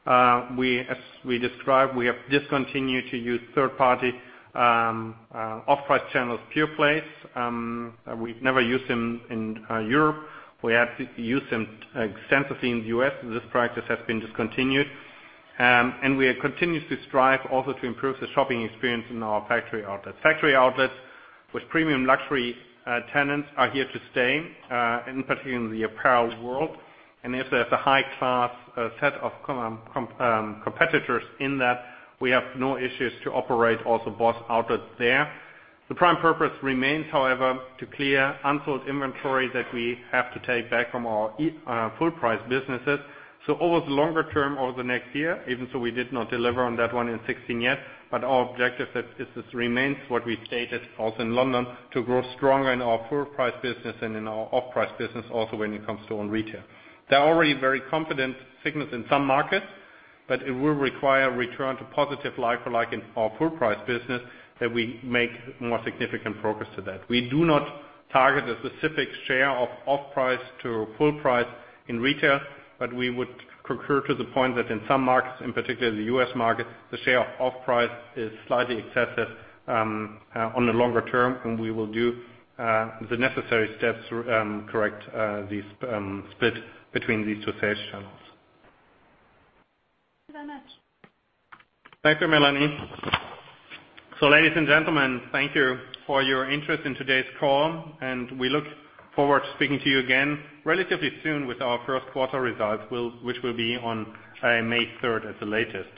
As we described, we have discontinued to use third-party off-price channels pure plays. We've never used them in Europe. We have used them extensively in the U.S., and this practice has been discontinued. We continue to strive also to improve the shopping experience in our factory outlets. Factory outlets with premium luxury tenants are here to stay, in particular in the apparel world. If there's a high-class set of competitors in that, we have no issues to operate also BOSS outlets there. The prime purpose remains, however, to clear unsold inventory that we have to take back from our full-price businesses. Over the longer term, over the next year, even so we did not deliver on that one in 2016 yet, our objective remains what we stated also in London to grow stronger in our full-price business and in our off-price business also when it comes to own retail. There are already very confident signals in some markets, but it will require a return to positive like-for-like in our full-price business that we make more significant progress to that. We do not target a specific share of off-price to full-price in retail, but we would concur to the point that in some markets, in particular the U.S. market, the share of off-price is slightly excessive on the longer term. We will do the necessary steps to correct this split between these two sales channels. Thank you very much. Thank you, Mélanie. Ladies and gentlemen, thank you for your interest in today's call, and we look forward to speaking to you again relatively soon with our first quarter results which will be on May 3rd at the latest.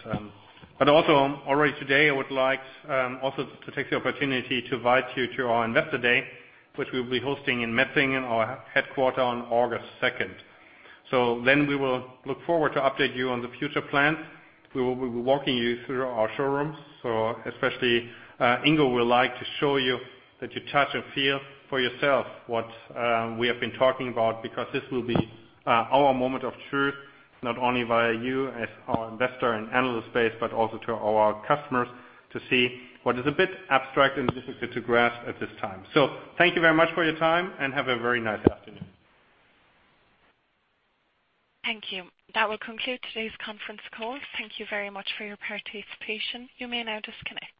Also already today, I would like also to take the opportunity to invite you to our investor day, which we'll be hosting in Metzingen in our headquarter on August 2nd. We will look forward to update you on the future plans. We will be walking you through our showrooms. Especially, Ingo will like to show you that you touch and feel for yourself what we have been talking about because this will be our moment of truth, not only via you as our investor and analyst base, but also to our customers to see what is a bit abstract and difficult to grasp at this time. Thank you very much for your time, and have a very nice afternoon. Thank you. That will conclude today's conference call. Thank you very much for your participation. You may now disconnect.